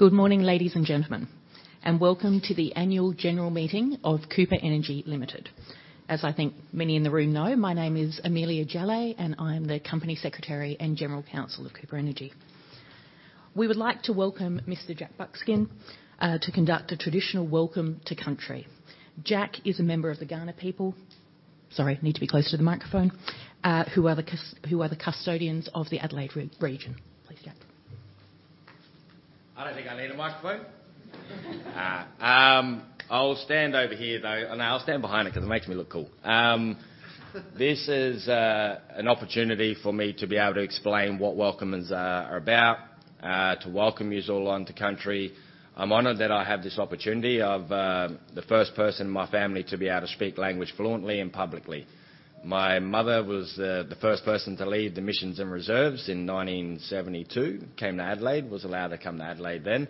Good morning, ladies and gentlemen, and welcome to the Annual General Meeting of Cooper Energy Limited. As I think many in the room know, my name is Amelia Jalleh, and I'm the Company Secretary and General Counsel of Cooper Energy. We would like to welcome Mr. Jack Buckskin to conduct a traditional welcome to country. Jack is a member of the Kaurna people. Sorry, need to be closer to the microphone. Who are the custodians of the Adelaide region. Please, Jack. I don't think I need a microphone. I'll stand over here though. No, I'll stand behind it 'cause it makes me look cool. This is an opportunity for me to be able to explain what welcoming's are about to welcome yous all onto country. I'm honored that I have this opportunity of the first person in my family to be able to speak language fluently and publicly. My mother was the first person to leave the missions and reserves in 1972, came to Adelaide. Was allowed to come to Adelaide then,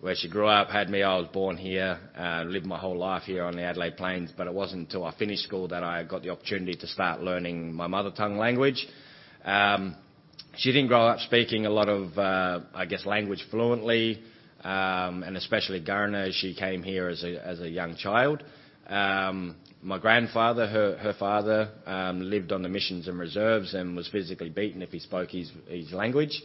where she grew up, had me. I was born here, lived my whole life here on the Adelaide Plains, but it wasn't until I finished school that I got the opportunity to start learning my mother tongue language. She didn't grow up speaking a lot of, I guess, language fluently, and especially Kaurna as she came here as a young child. My grandfather, her father, lived on the missions and reserves and was physically beaten if he spoke his language.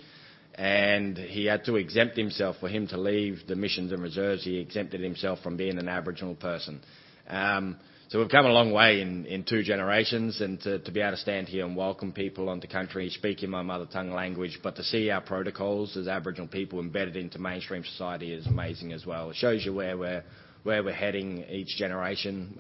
He had to exempt himself. For him to leave the missions and reserves, he exempted himself from being an Aboriginal person. We've come a long way in two generations and to be able to stand here and welcome people onto country speaking my mother tongue language, but to see our protocols as Aboriginal people embedded into mainstream society is amazing as well. It shows you where we're heading each generation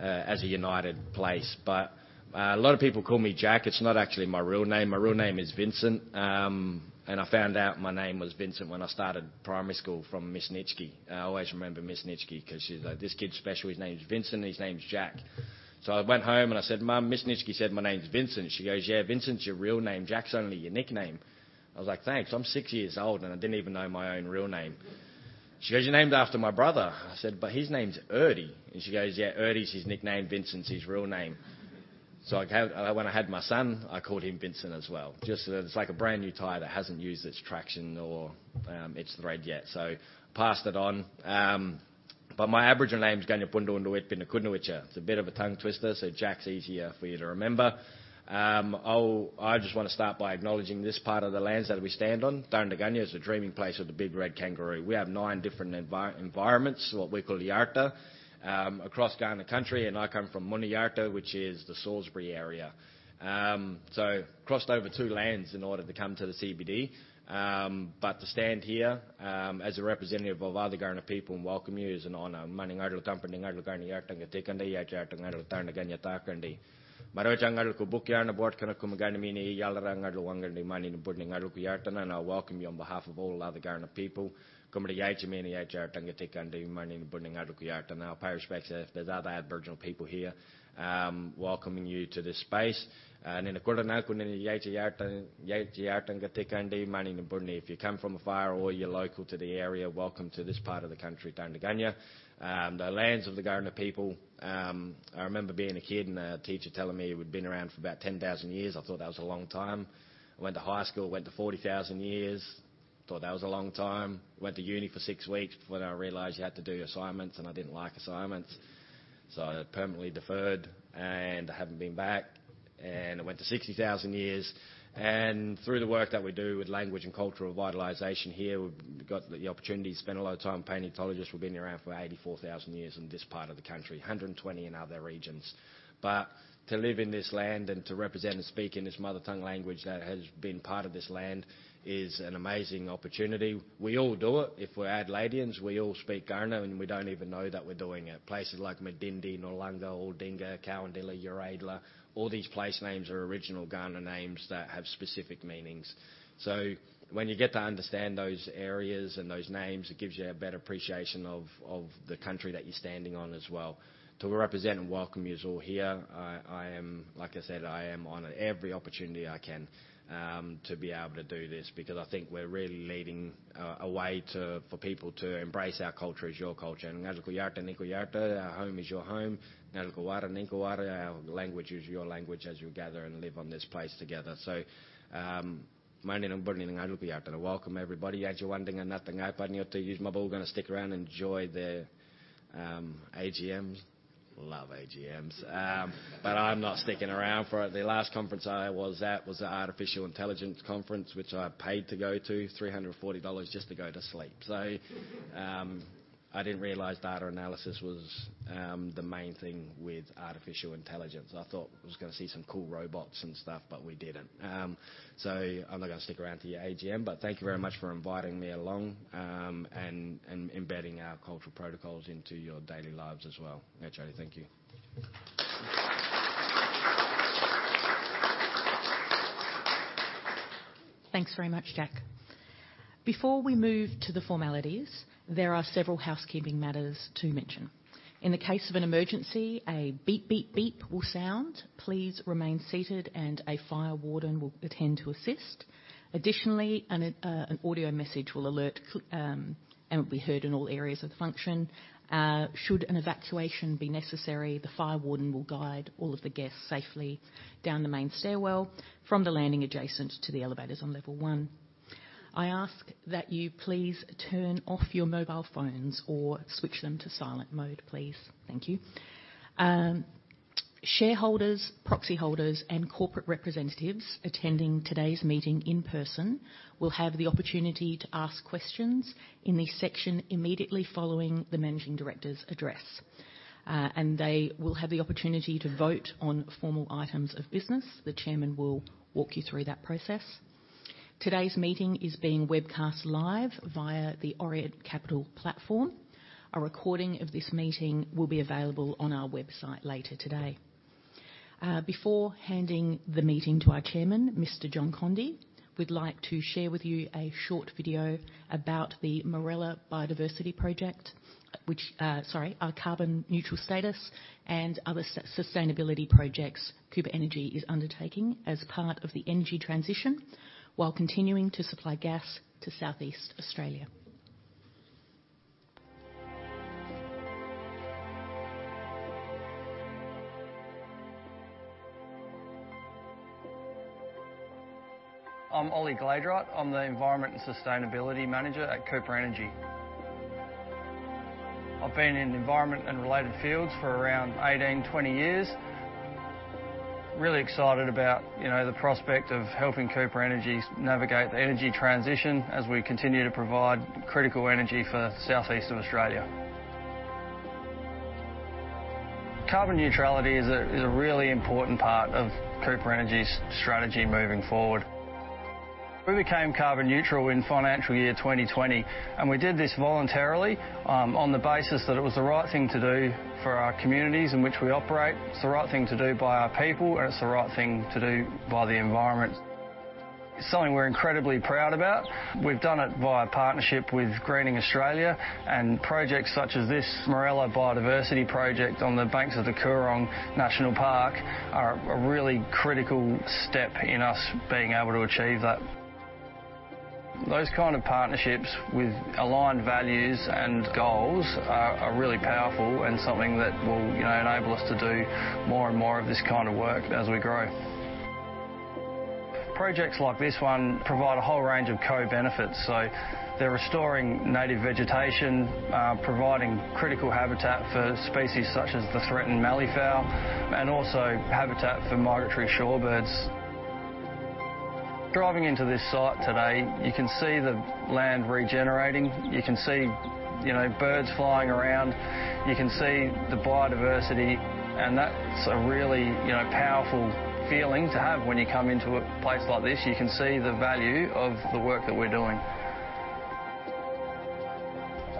as a united place. A lot of people call me Jack. It's not actually my real name. My real name is Vincent. I found out my name was Vincent when I started primary school from Miss Nitschke. I always remember Miss Nitschke 'cause she's like, "This kid's special. His name's Vincent. His name's Jack." I went home, and I said, "Mum, Miss Nitschke said my name's Vincent." She goes, "Yeah, Vincent's your real name. Jack's only your nickname." I was like, "Thanks. I'm six years old, and I didn't even know my own real name." She goes, "You're named after my brother." I said, "But his name's Erdy." She goes, "Yeah, Erdy's his nickname. Vincent's his real name." When I had my son, I called him Vincent as well. Just so that it's like a brand-new tire that hasn't used its traction or, hit the road yet. Passed it on. My Aboriginal name is Kanya Pundu Untuwi Pinikunnyuntja. It's a bit of a tongue twister, so Jack's easier for you to remember. I just wanna start by acknowledging this part of the lands that we stand on. Tarntanyangga is the dreaming place of the big red kangaroo. We have nine different environments, what we call the Yarta, across Kaurna country, and I come from Monayarta, which is the Salisbury area. I crossed over two lands in order to come to the CBD. To stand here, as a representative of other Kaurna people and welcome you is an honor. I welcome you on behalf of all other Kaurna people. I pay respects to if there's other Aboriginal people here, welcoming you to this space. If you come from afar or you're local to the area, welcome to this part of the country, Tarntanyangga, the lands of the Kaurna people. I remember being a kid and a teacher telling me we'd been around for about 10,000 years. I thought that was a long time. I went to high school, went to 40,000 years. Thought that was a long time. Went to uni for six weeks before then I realized you had to do your assignments, and I didn't like assignments. I permanently deferred, and I haven't been back. It went to 60,000 years. Through the work that we do with language and cultural revitalization here, we've got the opportunity to spend a lot of time with paleontologists. We've been around for 84,000 years in this part of the country, 120 in other regions. To live in this land and to represent and speak in this mother tongue language that has been part of this land is an amazing opportunity. We all do it. If we're Adelaidians, we all speak Kaurna, and we don't even know that we're doing it. Places like Medindie, Noarlunga, Aldinga, Cowandilla, Uraidla, all these place names are original Kaurna names that have specific meanings. When you get to understand those areas and those names, it gives you a better appreciation of the country that you're standing on as well. To represent and welcome you all here, like I said, I am honoured every opportunity I can to be able to do this because I think we're really leading a way to for people to embrace our culture as your culture. Our home is your home. Our language is your language as you gather and live on this place together. Welcome everybody. Gonna stick around, enjoy the AGMs. Love AGMs. I'm not sticking around for it. The last conference I was at was an artificial intelligence conference, which I paid to go to, 340 dollars just to go to sleep. I didn't realize data analysis was the main thing with artificial intelligence. I thought I was gonna see some cool robots and stuff, but we didn't. I'm not gonna stick around for your AGM, but thank you very much for inviting me along, and embedding our cultural protocols into your daily lives as well. Thank you. Thanks very much, Jack. Before we move to the formalities, there are several housekeeping matters to mention. In the case of an emergency, a beep, beep will sound. Please remain seated, and a fire warden will attend to assist. Additionally, an audio message will alert, and will be heard in all areas of the function. Should an evacuation be necessary, the fire warden will guide all of the guests safely down the main stairwell from the landing adjacent to the elevators on level one. I ask that you please turn off your mobile phones or switch them to silent mode, please. Thank you. Shareholders, proxy holders, and corporate representatives attending today's meeting in person will have the opportunity to ask questions in the section immediately following the managing director's address. They will have the opportunity to vote on formal items of business. The chairman will walk you through that process. Today's meeting is being webcast live via the Orient Capital platform. A recording of this meeting will be available on our website later today. Before handing the meeting to our chairman, Mr. John Conde meeting is being webcast live via the Orient Capital platform, we'd like to share with you a short video about the Morella Biodiversity Project. Our carbon-neutral status and other sustainability projects Cooper Energy is undertaking as part of the energy transition while continuing to supply gas to Southeast Australia. I'm Ollie Gladigau. I'm the Environment and Sustainability Manager at Cooper Energy. I've been in environment and related fields for around 18-20 years. Really excited about, you know, the prospect of helping Cooper Energy navigate the energy transition as we continue to provide critical energy for southeast Australia. Carbon neutrality is a really important part of Cooper Energy's strategy moving forward. We became carbon neutral in financial year 2020, and we did this voluntarily on the basis that it was the right thing to do for our communities in which we operate. It's the right thing to do by our people, and it's the right thing to do by the environment. It's something we're incredibly proud about. We've done it via a partnership with Greening Australia, and projects such as this Morella Biodiversity Project on the banks of the Coorong National Park are a really critical step in us being able to achieve that. Those kind of partnerships with aligned values and goals are really powerful and something that will, you know, enable us to do more and more of this kind of work as we grow. Projects like this one provide a whole range of co-benefits. They're restoring native vegetation, providing critical habitat for species such as the threatened mallee fowl and also habitat for migratory shorebirds. Driving into this site today, you can see the land regenerating. You can see, you know, birds flying around. You can see the biodiversity, and that's a really, you know, powerful feeling to have when you come into a place like this. You can see the value of the work that we're doing.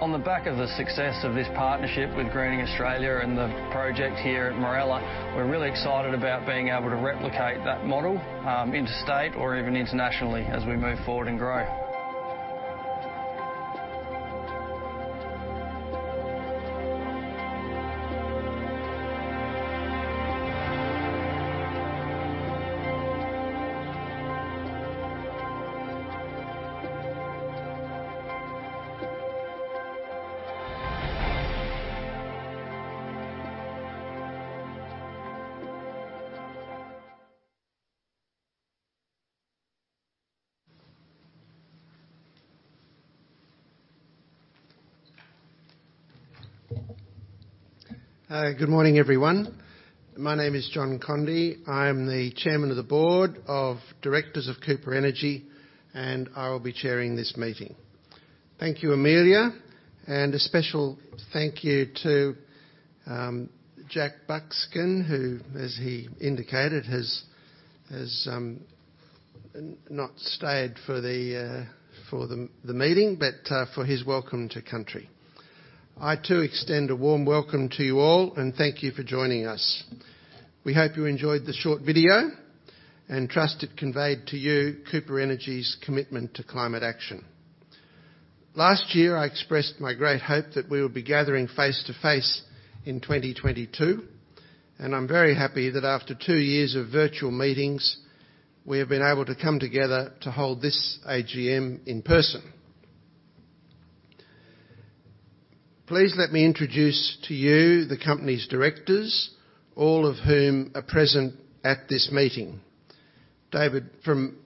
On the back of the success of this partnership with Greening Australia and the project here at Morella, we're really excited about being able to replicate that model, interstate or even internationally as we move forward and grow. Good morning, everyone. My name is John Conde. I am the Chairman of the Board of Directors of Cooper Energy, and I will be chairing this meeting. Thank you, Amelia, and a special thank you to Jack Buckskin, who, as he indicated, has not stayed for the meeting, but for his welcome to country. I too extend a warm welcome to you all, and thank you for joining us. We hope you enjoyed the short video and trust it conveyed to you Cooper Energy's commitment to climate action. Last year, I expressed my great hope that we would be gathering face-to-face in 2022, and I'm very happy that after two years of virtual meetings, we have been able to come together to hold this AGM in person. Please let me introduce to you the company's directors, all of whom are present at this meeting. David, from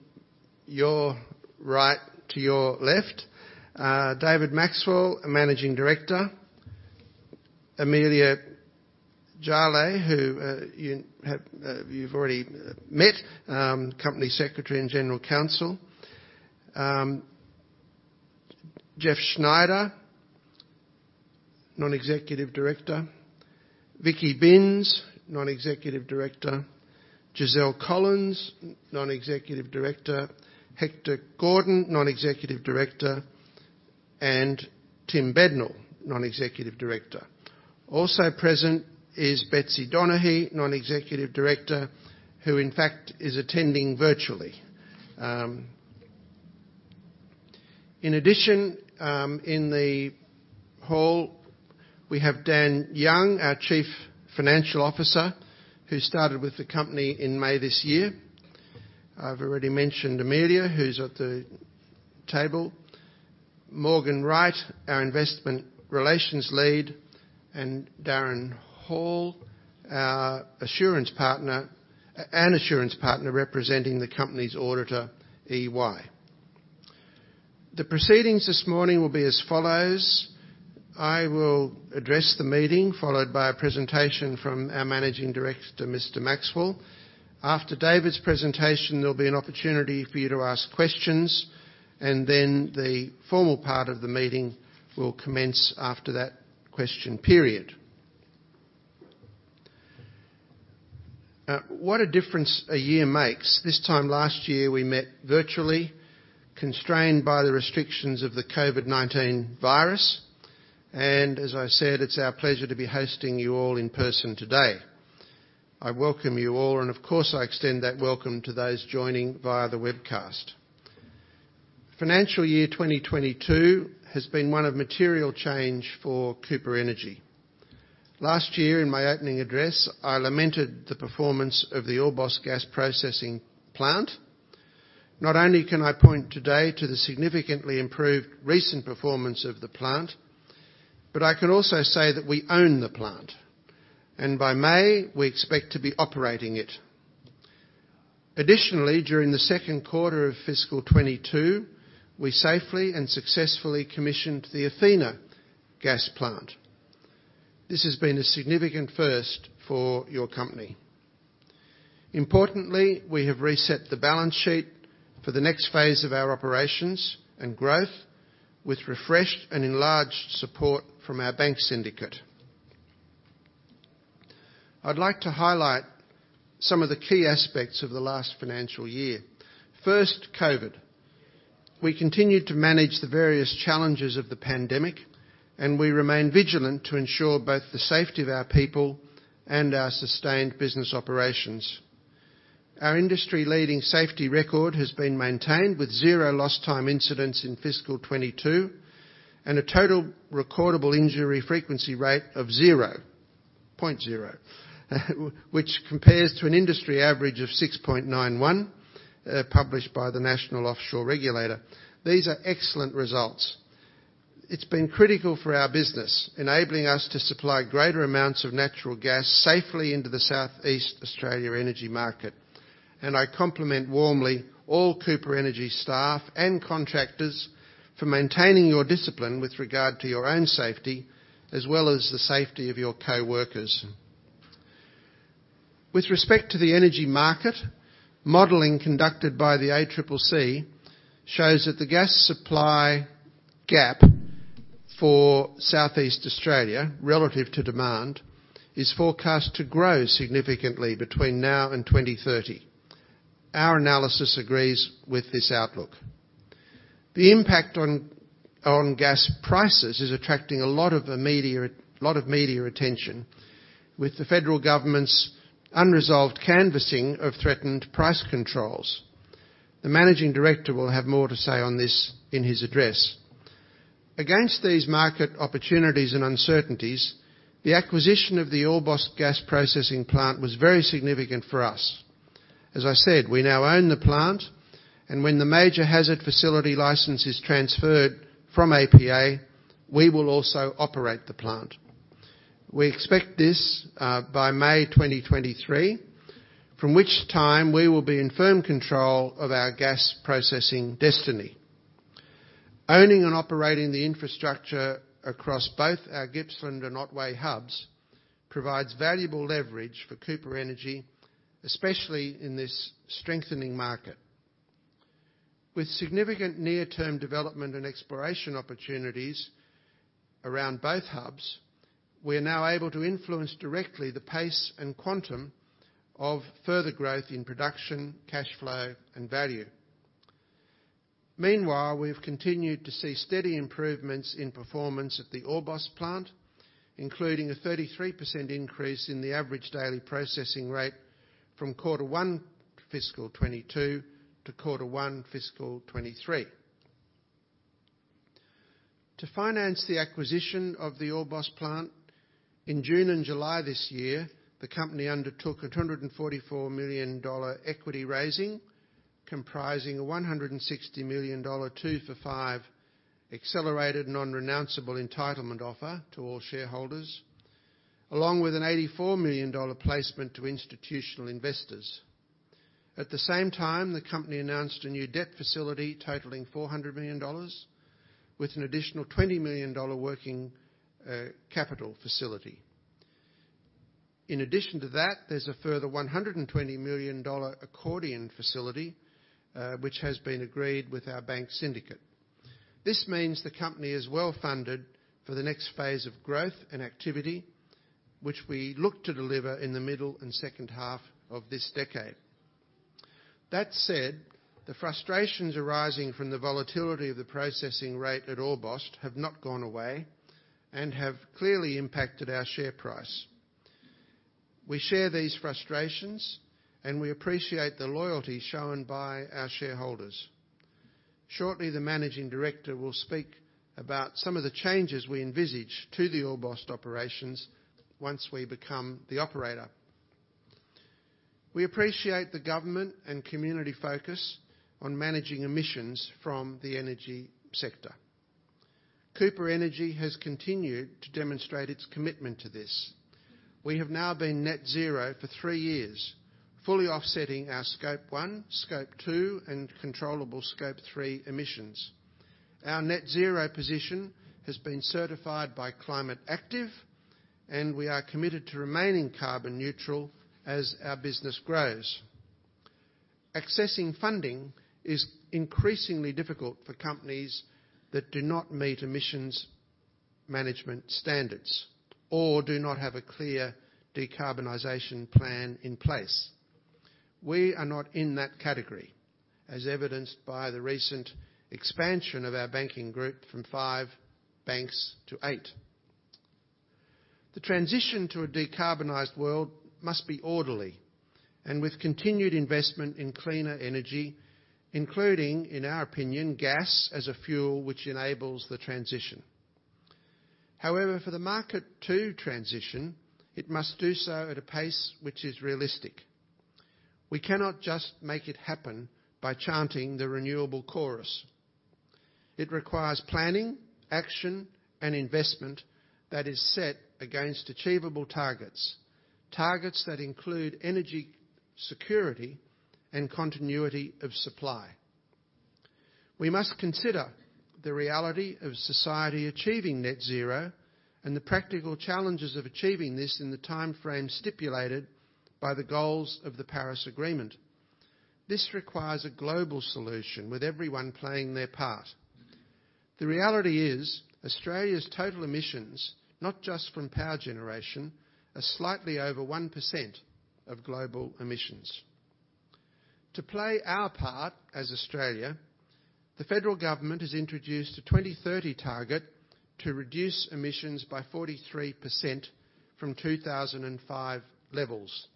your right to your left, David Maxwell, Managing Director. Amelia Jalleh, who you've already met, Company Secretary and General Counsel. Jeff Schneider, Non-Executive Director. Vicky Binns, Non-Executive Director. Giselle Collins, Non-Executive Director. Hector Gordon, Non-Executive Director. And Tim Bednall, Non-Executive Director. Also present is Betsy Donaghey, Non-Executive Director, who in fact is attending virtually. In addition, in the hall we have Dan Young, our Chief Financial Officer, who started with the company in May this year. I've already mentioned Amelia, who's at the table, Morgan Wright, our Investor Relations Lead, and Darren Hall, our Assurance Partner, an Assurance Partner representing the company's auditor, EY. The proceedings this morning will be as follows. I will address the meeting, followed by a presentation from our managing director, Mr. Maxwell. After David's presentation, there'll be an opportunity for you to ask questions, and then the formal part of the meeting will commence after that question period. What a difference a year makes. This time last year, we met virtually, constrained by the restrictions of the COVID-19 virus. As I said, it's our pleasure to be hosting you all in person today. I welcome you all, and of course, I extend that welcome to those joining via the webcast. FY 2022 has been one of material change for Cooper Energy. Last year, in my opening address, I lamented the performance of the Orbost Gas Processing Plant. Not only can I point today to the significantly improved recent performance of the plant, but I can also say that we own the plant. By May, we expect to be operating it. Additionally, during the second quarter of fiscal 2022, we safely and successfully commissioned the Athena Gas Plant. This has been a significant first for your company. Importantly, we have reset the balance sheet for the next phase of our operations and growth with refreshed and enlarged support from our bank syndicate. I'd like to highlight some of the key aspects of the last financial year. First, COVID. We continued to manage the various challenges of the pandemic, and we remain vigilant to ensure both the safety of our people and our sustained business operations. Our industry-leading safety record has been maintained with zero lost time incidents in fiscal 2022, and a Total Recordable Injury Frequency Rate of 0.0, which compares to an industry average of 6.91, published by the National Offshore Regulator. These are excellent results. It's been critical for our business, enabling us to supply greater amounts of natural gas safely into the Southeast Australia energy market. I compliment warmly all Cooper Energy staff and contractors for maintaining your discipline with regard to your own safety, as well as the safety of your coworkers. With respect to the energy market, modeling conducted by the ACCC shows that the gas supply gap for Southeast Australia, relative to demand, is forecast to grow significantly between now and 2030. Our analysis agrees with this outlook. The impact on gas prices is attracting a lot of the media, a lot of media attention, with the federal government's unresolved canvassing of threatened price controls. The managing director will have more to say on this in his address. Against these market opportunities and uncertainties, the acquisition of the Orbost Gas Processing Plant was very significant for us. As I said, we now own the plant, and when the major hazard facility license is transferred from APA, we will also operate the plant. We expect this by May 2023, from which time we will be in firm control of our gas processing destiny. Owning and operating the infrastructure across both our Gippsland and Otway hubs provides valuable leverage for Cooper Energy, especially in this strengthening market. With significant near-term development and exploration opportunities around both hubs, we are now able to influence directly the pace and quantum of further growth in production, cash flow, and value. Meanwhile, we have continued to see steady improvements in performance at the Orbost Plant, including a 33% increase in the average daily processing rate from quarter one fiscal 2022 to quarter one fiscal 2023. To finance the acquisition of the Orbost Plant, in June and July this year, the company undertook a $144 million equity raising, comprising a $160 million two for five accelerated non-renounceable entitlement offer to all shareholders, along with an $84 million placement to institutional investors. At the same time, the company announced a new debt facility totaling $400 million with an additional $20 million working capital facility. In addition to that, there's a further $120 million accordion facility, which has been agreed with our bank syndicate. This means the company is well-funded for the next phase of growth and activity, which we look to deliver in the middle and second half of this decade. That said, the frustrations arising from the volatility of the processing rate at Orbost have not gone away and have clearly impacted our share price. We share these frustrations, and we appreciate the loyalty shown by our shareholders. Shortly, the managing director will speak about some of the changes we envisage to the Orbost operations once we become the operator. We appreciate the government and community focus on managing emissions from the energy sector. Cooper Energy has continued to demonstrate its commitment to this. We have now been net zero for three years, fully offsetting our scope one, scope two, and controllable scope three emissions. Our net zero position has been certified by Climate Active, and we are committed to remaining carbon neutral as our business grows. Accessing funding is increasingly difficult for companies that do not meet emissions management standards or do not have a clear decarbonization plan in place. We are not in that category, as evidenced by the recent expansion of our banking group from five banks to eight. The transition to a decarbonized world must be orderly and with continued investment in cleaner energy, including, in our opinion, gas as a fuel which enables the transition. However, for the market to transition, it must do so at a pace which is realistic. We cannot just make it happen by chanting the renewable chorus. It requires planning, action and investment that is set against achievable targets. Targets that include energy security and continuity of supply. We must consider the reality of society achieving net zero and the practical challenges of achieving this in the time frame stipulated by the goals of the Paris Agreement. This requires a global solution with everyone playing their part. The reality is Australia's total emissions, not just from power generation, are slightly over 1% of global emissions. To play our part as Australia, the federal government has introduced a 2030 target to reduce emissions by 43% from 2005 levels,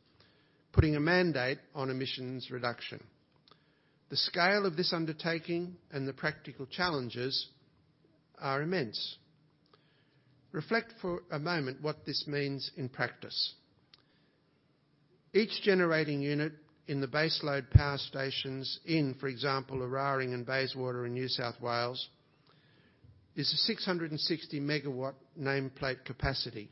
putting a mandate on emissions reduction. The scale of this undertaking and the practical challenges are immense. Reflect for a moment what this means in practice. Each generating unit in the baseload power stations in, for example, Eraring and Bayswater in New South Wales, is a 660 MW nameplate capacity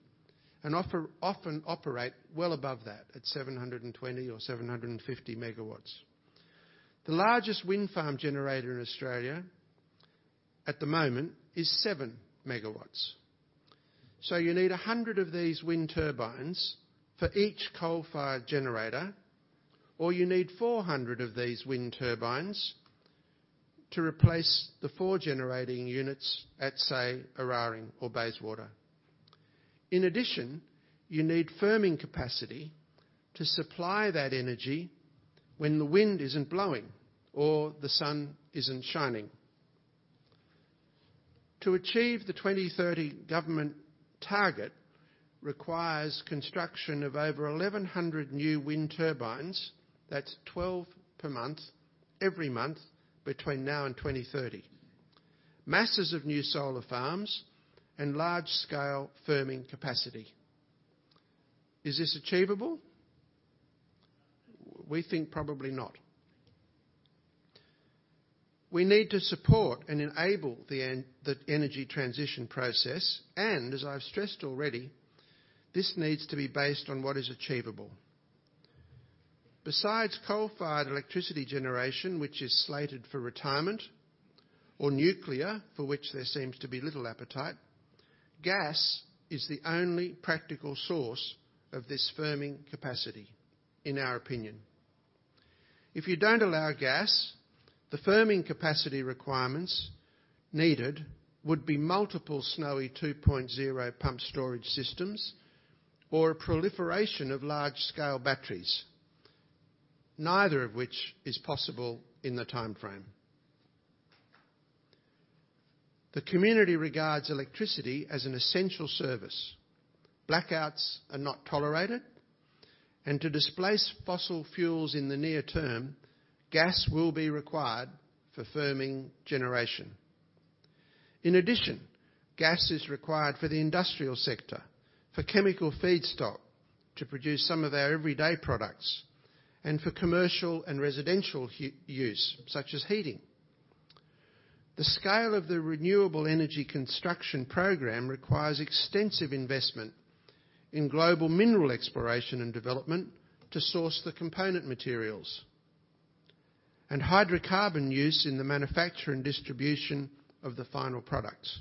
and often operate well above that at 720 MW or 750 MW. The largest wind farm generator in Australia at the moment is 7 MW. You need 100 of these wind turbines for each coal-fired generator, or you need 400 of these wind turbines to replace the four generating units at, say, Eraring or Bayswater. In addition, you need firming capacity to supply that energy when the wind isn't blowing or the sun isn't shining. To achieve the 2030 government target requires construction of over 1,100 new wind turbines. That's 12 per month, every month between now and 2030. Masses of new solar farms and large-scale firming capacity. Is this achievable? We think probably not. We need to support and enable the energy transition process, and as I've stressed already, this needs to be based on what is achievable. Besides coal-fired electricity generation, which is slated for retirement, or nuclear, for which there seems to be little appetite, gas is the only practical source of this firming capacity, in our opinion. If you don't allow gas, the firming capacity requirements needed would be multiple Snowy 2.0 pumped storage systems or a proliferation of large-scale batteries, neither of which is possible in the time frame. The community regards electricity as an essential service. Blackouts are not tolerated. To displace fossil fuels in the near term, gas will be required for firming generation. In addition, gas is required for the industrial sector, for chemical feedstock to produce some of our everyday products, and for commercial and residential use, such as heating. The scale of the renewable energy construction program requires extensive investment in global mineral exploration and development to source the component materials and hydrocarbon use in the manufacture and distribution of the final products.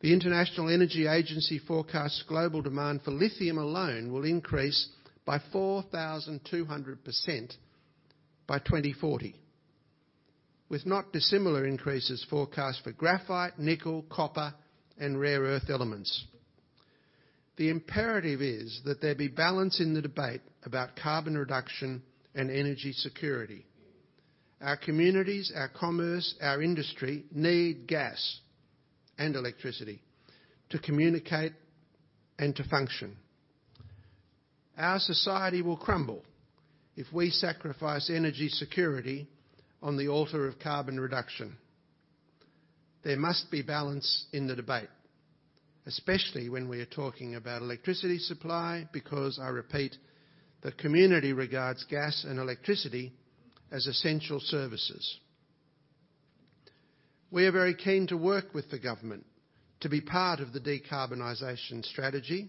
The International Energy Agency forecasts global demand for lithium alone will increase by 4,200% by 2040, with not dissimilar increases forecast for graphite, nickel, copper and rare earth elements. The imperative is that there be balance in the debate about carbon reduction and energy security. Our communities, our commerce, our industry need gas and electricity to communicate and to function. Our society will crumble if we sacrifice energy security on the altar of carbon reduction. There must be balance in the debate, especially when we are talking about electricity supply, because I repeat, the community regards gas and electricity as essential services. We are very keen to work with the government to be part of the decarbonization strategy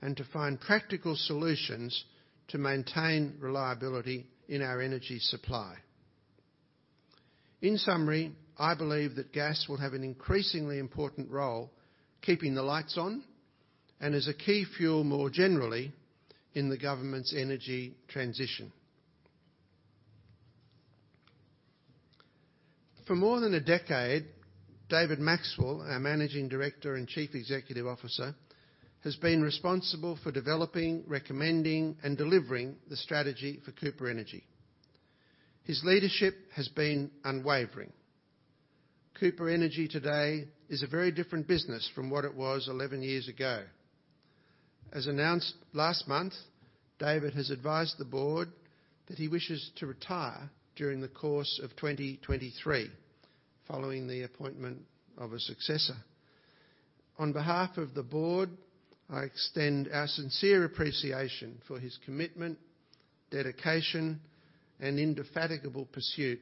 and to find practical solutions to maintain reliability in our energy supply. In summary, I believe that gas will have an increasingly important role keeping the lights on and as a key fuel, more generally, in the government's energy transition. For more than a decade, David Maxwell, our Managing Director and Chief Executive Officer, has been responsible for developing, recommending, and delivering the strategy for Amplitude Energy. His leadership has been unwavering. Amplitude Energy today is a very different business from what it was 11 years ago. As announced last month, David has advised the board that he wishes to retire during the course of 2023, following the appointment of a successor. On behalf of the board, I extend our sincere appreciation for his commitment, dedication, and indefatigable pursuit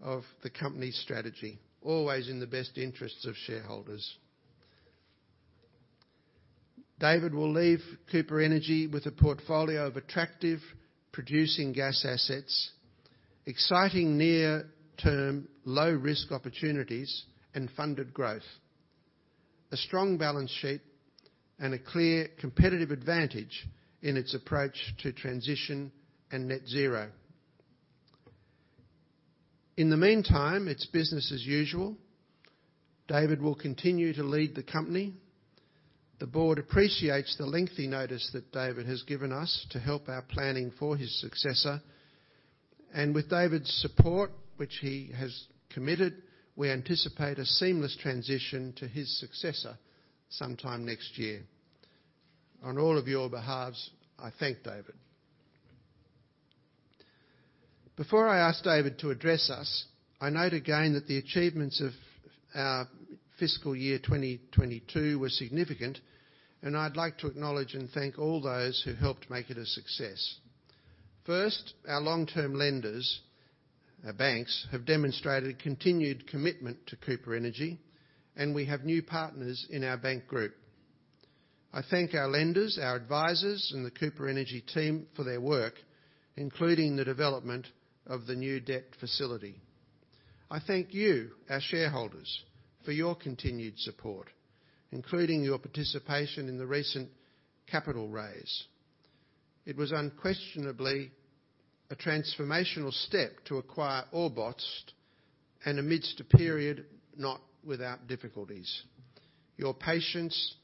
of the company's strategy, always in the best interests of shareholders. David will leave Amplitude Energy with a portfolio of attractive producing gas assets, exciting near-term low-risk opportunities, and funded growth. A strong balance sheet and a clear competitive advantage in its approach to transition and net zero. In the meantime, it's business as usual. David will continue to lead the company. The board appreciates the lengthy notice that David has given us to help our planning for his successor. With David's support, which he has committed, we anticipate a seamless transition to his successor sometime next year. On all of your behalves, I thank David. Before I ask David to address us, I note again that the achievements of our fiscal year 2022 were significant, and I'd like to acknowledge and thank all those who helped make it a success. First, our long-term lenders, our banks, have demonstrated continued commitment to Cooper Energy, and we have new partners in our bank group. I thank our lenders, our advisors, and the Cooper Energy team for their work, including the development of the new debt facility. I thank you, our shareholders, for your continued support, including your participation in the recent capital raise. It was unquestionably a transformational step to acquire Orbost and amidst a period, not without difficulties. Your patience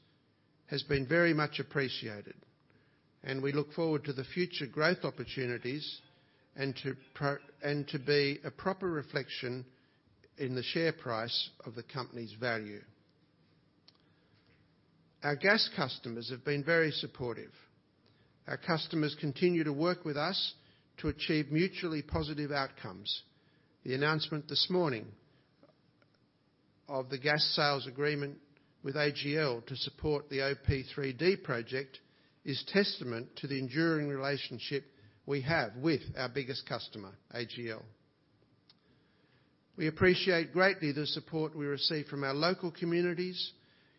has been very much appreciated, and we look forward to the future growth opportunities and to be a proper reflection in the share price of the company's value. Our gas customers have been very supportive. Our customers continue to work with us to achieve mutually positive outcomes. The announcement this morning of the gas sales agreement with AGL to support the OP3D project is testament to the enduring relationship we have with our biggest customer, AGL. We appreciate greatly the support we receive from our local communities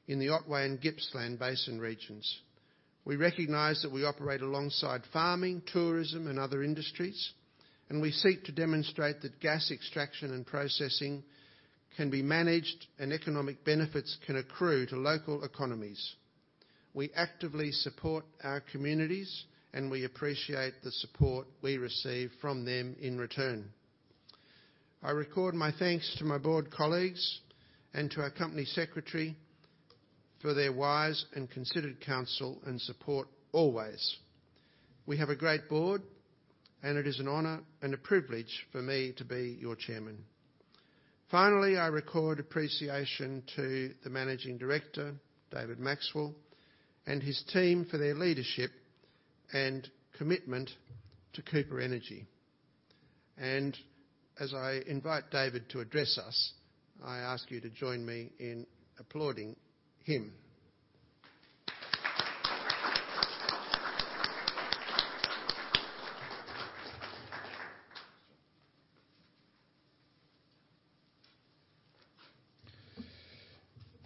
in the Otway and Gippsland Basin regions. We recognize that we operate alongside farming, tourism, and other industries, and we seek to demonstrate that gas extraction and processing can be managed and economic benefits can accrue to local economies. We actively support our communities, and we appreciate the support we receive from them in return. I record my thanks to my board colleagues and to our company secretary for their wise and considered counsel and support always. We have a great board and it is an honor and a privilege for me to be your chairman. Finally, I record appreciation to the Managing Director, David Maxwell, and his team for their leadership and commitment to Amplitude Energy. As I invite David to address us, I ask you to join me in applauding him.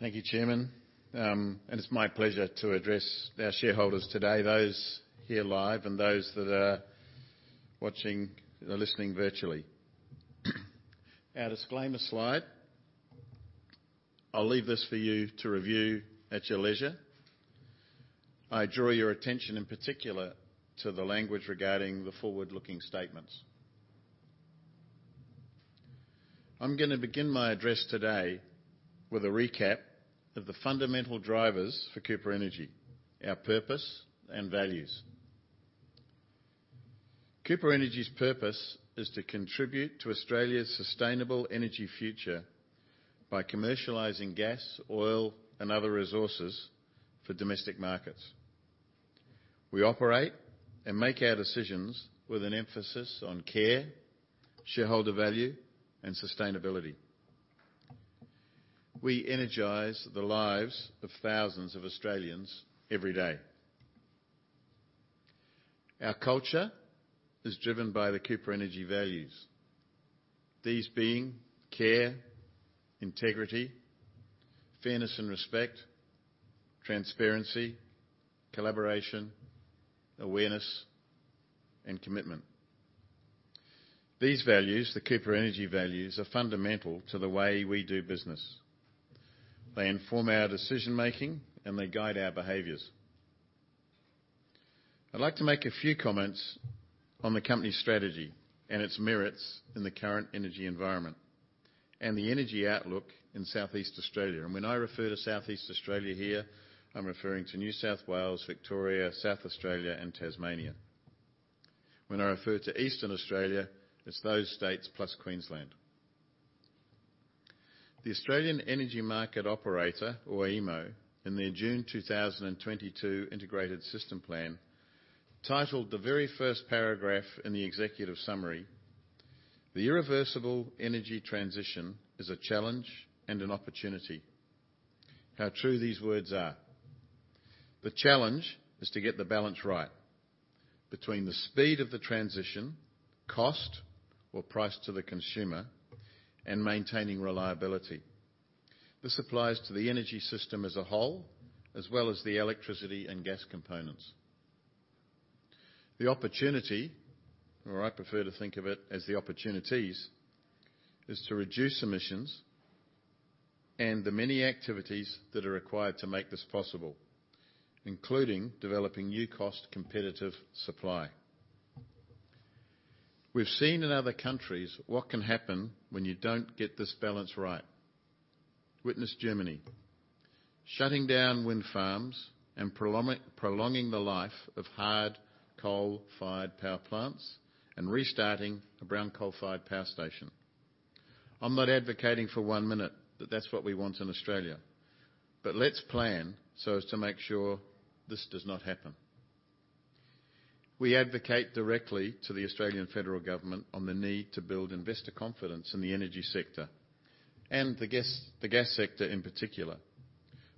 Thank you, Chairman. It's my pleasure to address our shareholders today, those here live and those that are watching or listening virtually. Our disclaimer slide. I'll leave this for you to review at your leisure. I draw your attention in particular to the language regarding the forward-looking statements. I'm gonna begin my address today with a recap of the fundamental drivers for Cooper Energy, our purpose and values. Cooper Energy's purpose is to contribute to Australia's sustainable energy future by commercializing gas, oil, and other resources for domestic markets. We operate and make our decisions with an emphasis on care, shareholder value, and sustainability. We energize the lives of thousands of Australians every day. Our culture is driven by the Cooper Energy values. These being care, integrity, fairness and respect, transparency, collaboration, awareness, and commitment. These values, the Cooper Energy values, are fundamental to the way we do business. They inform our decision-making and they guide our behaviours. I'd like to make a few comments on the company strategy and its merits in the current energy environment and the energy outlook in Southeast Australia. When I refer to Southeast Australia here, I'm referring to New South Wales, Victoria, South Australia, and Tasmania. When I refer to Eastern Australia, it's those states plus Queensland. The Australian Energy Market Operator, or AEMO, in their June 2022 integrated system plan, titled the very first paragraph in the executive summary, "The irreversible energy transition is a challenge and an opportunity." How true these words are. The challenge is to get the balance right between the speed of the transition, cost or price to the consumer, and maintaining reliability. This applies to the energy system as a whole, as well as the electricity and gas components. The opportunity, or I prefer to think of it as the opportunities, is to reduce emissions and the many activities that are required to make this possible, including developing new cost-competitive supply. We've seen in other countries what can happen when you don't get this balance right. Witness Germany, shutting down wind farms and prolonging the life of hard coal-fired power plants and restarting a brown coal-fired power station. I'm not advocating for one minute that that's what we want in Australia. But let's plan so as to make sure this does not happen. We advocate directly to the Australian federal government on the need to build investor confidence in the energy sector and the gas sector in particular,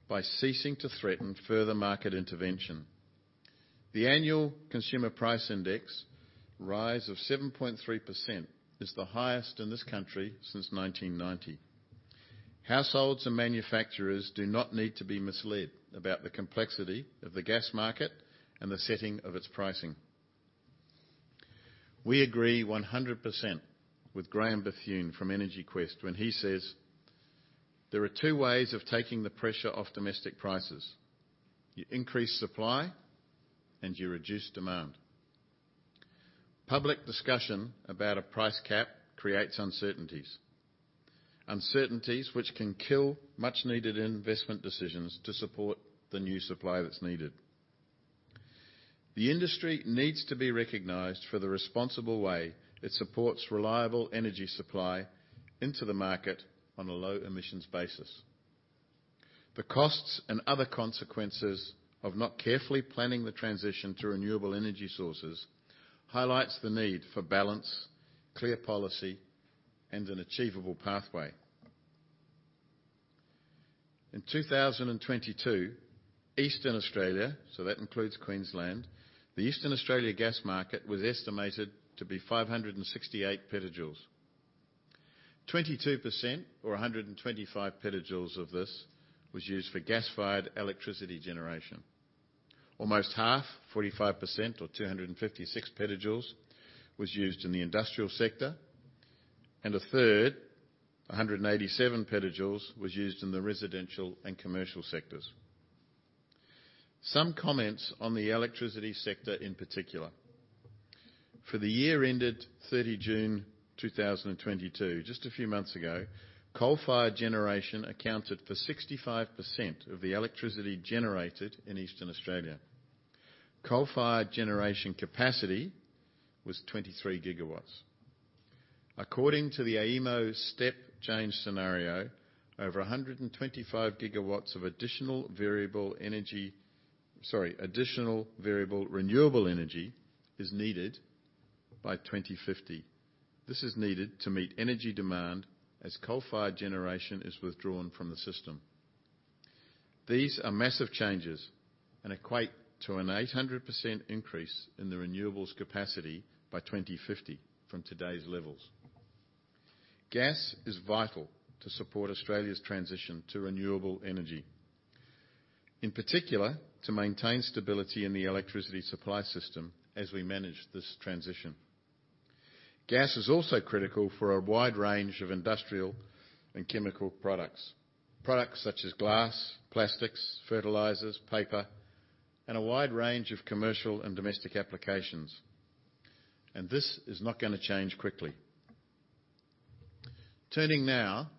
by ceasing to threaten further market intervention. The annual consumer price index rise of 7.3% is the highest in this country since 1990. Households and manufacturers do not need to be misled about the complexity of the gas market and the setting of its pricing. We agree 100% with Graeme Bethune from EnergyQuest when he says, "There are two ways of taking the pressure off domestic prices. You increase supply and you reduce demand." Public discussion about a price cap creates uncertainties. Uncertainties which can kill much needed investment decisions to support the new supply that's needed. The industry needs to be recognized for the responsible way it supports reliable energy supply into the market on a low emissions basis. The costs and other consequences of not carefully planning the transition to renewable energy sources highlights the need for balance, clear policy, and an achievable pathway. In 2022, Eastern Australia, so that includes Queensland, the Eastern Australia gas market was estimated to be 568 PJ. 22% or 125 PJ of this was used for gas-fired electricity generation. Almost 1/2, 45% or 256 PJ, was used in the industrial sector, and a 1/3rd, 187 PJ, was used in the residential and commercial sectors. Some comments on the electricity sector in particular. For the year ended 30 June 2022, just a few months ago, coal-fired generation accounted for 65% of the electricity generated in Eastern Australia. Coal-fired generation capacity was 23 GW. According to the AEMO step change scenario, over 125 GW of additional variable renewable energy is needed by 2050. This is needed to meet energy demand as coal-fired generation is withdrawn from the system. These are massive changes and equate to an 800% increase in the renewables capacity by 2050 from today's levels. Gas is vital to support Australia's transition to renewable energy, in particular, to maintain stability in the electricity supply system as we manage this transition. Gas is also critical for a wide range of industrial and chemical products. Products such as glass, plastics, fertilizers, paper, and a wide range of commercial and domestic applications. This is not gonna change quickly. Turning now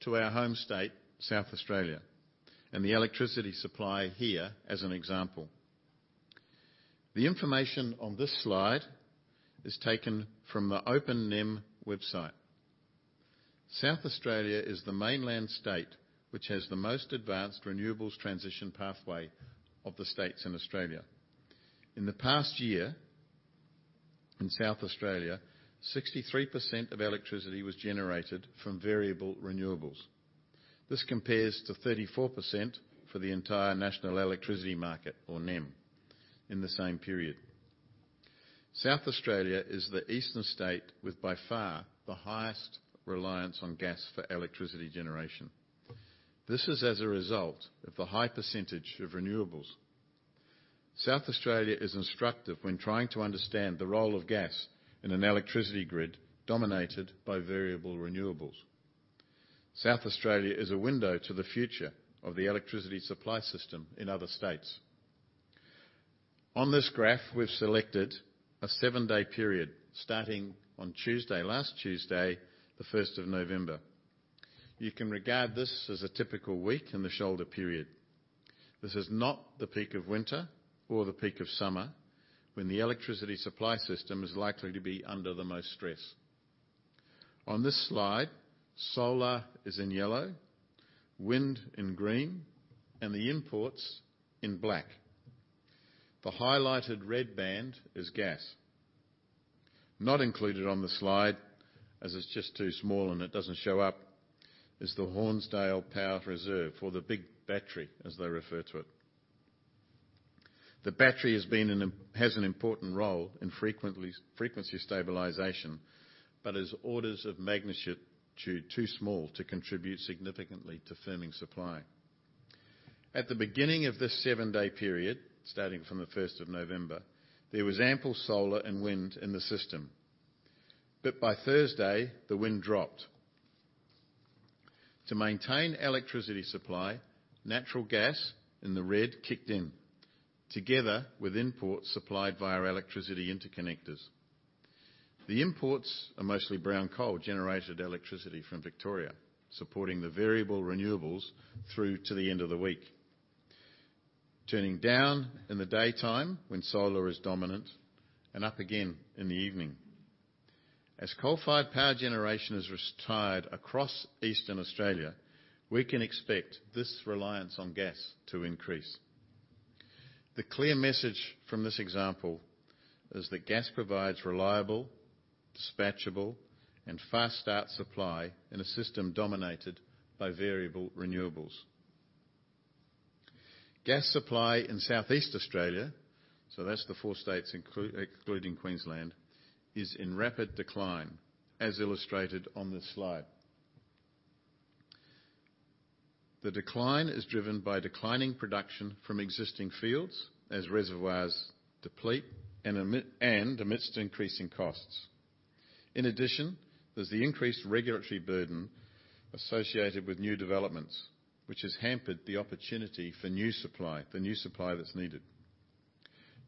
to our home state, South Australia, and the electricity supply here as an example. The information on this slide is taken from the Open NEM website. South Australia is the mainland state which has the most advanced renewables transition pathway of the states in Australia. In the past year in South Australia, 63% of electricity was generated from variable renewables. This compares to 34% for the entire National Electricity Market, or NEM, in the same period. South Australia is the eastern state with by far the highest reliance on gas for electricity generation. This is as a result of the high percentage of renewables. South Australia is instructive when trying to understand the role of gas in an electricity grid dominated by variable renewables. South Australia is a window to the future of the electricity supply system in other states. On this graph, we've selected a seven-day period starting on Tuesday, last Tuesday, the first of November. You can regard this as a typical week in the shoulder period. This is not the peak of winter or the peak of summer when the electricity supply system is likely to be under the most stress. On this slide, solar is in yellow, wind in green, and the imports in black. The highlighted red band is gas. Not included on the slide, as it's just too small and it doesn't show up, is the Hornsdale Power Reserve or the big battery as they refer to it. The battery has an important role in frequency stabilization, but as orders of magnitude too small to contribute significantly to firming supply. At the beginning of this seven-day period, starting from the first of November, there was ample solar and wind in the system. By Thursday, the wind dropped. To maintain electricity supply, natural gas in the red kicked in, together with imports supplied via electricity interconnectors. The imports are mostly brown coal-generated electricity from Victoria, supporting the variable renewables through to the end of the week. Turning down in the daytime when solar is dominant and up again in the evening. As coal-fired power generation is retired across eastern Australia, we can expect this reliance on gas to increase. The clear message from this example is that gas provides reliable, dispatchable, and fast start supply in a system dominated by variable renewables. Gas supply in Southeast Australia, so that's the four states including Queensland, is in rapid decline, as illustrated on this slide. The decline is driven by declining production from existing fields as reservoirs deplete and amidst increasing costs. In addition, there's the increased regulatory burden associated with new developments, which has hampered the opportunity for new supply, the new supply that's needed.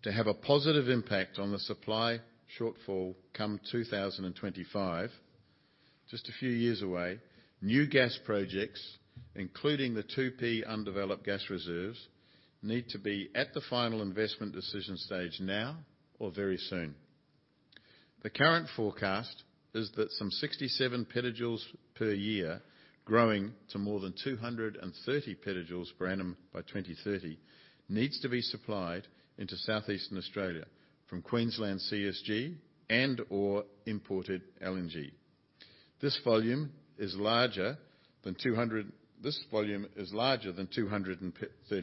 To have a positive impact on the supply shortfall come 2025, just a few years away, new gas projects, including the 2P undeveloped gas reserves, need to be at the final investment decision stage now or very soon. The current forecast is that some 67 PJ per year, growing to more than 230 PJ per annum by 2030, needs to be supplied into southeastern Australia from Queensland CSG and/or imported LNG. This volume is larger than 230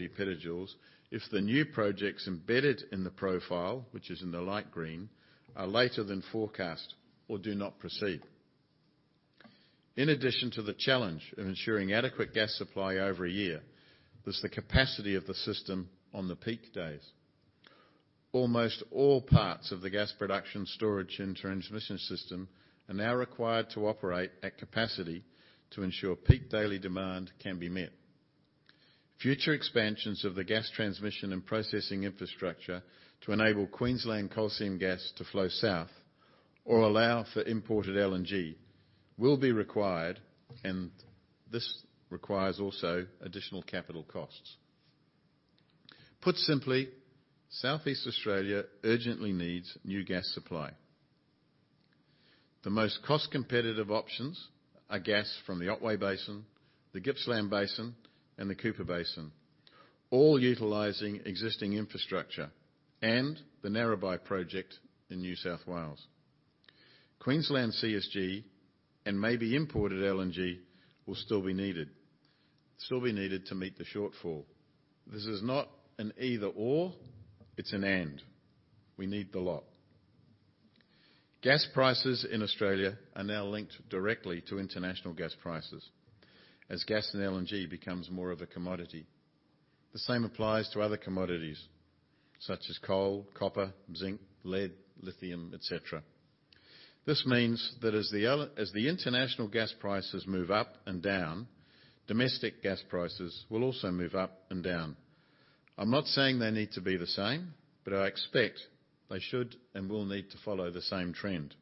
PJ if the new projects embedded in the profile, which is in the light green, are later than forecast or do not proceed. In addition to the challenge of ensuring adequate gas supply over a year, there's the capacity of the system on the peak days. Almost all parts of the gas production storage and transmission system are now required to operate at capacity to ensure peak daily demand can be met. Future expansions of the gas transmission and processing infrastructure to enable Queensland Coal Seam Gas to flow south or allow for imported LNG will be required, and this requires also additional capital costs. Put simply, Southeast Australia urgently needs new gas supply. The most cost-competitive options are gas from the Otway Basin, the Gippsland Basin, and the Cooper Basin, all utilizing existing infrastructure and the Narrabri project in New South Wales. Queensland CSG and maybe imported LNG will still be needed to meet the shortfall. This is not an either/or, it's an and. We need the lot. Gas prices in Australia are now linked directly to international gas prices as gas and LNG becomes more of a commodity. The same applies to other commodities such as coal, copper, zinc, lead, lithium, et cetera. This means that as the international gas prices move up and down, domestic gas prices will also move up and down. I'm not saying they need to be the same, but I expect they should and will need to follow the same trend.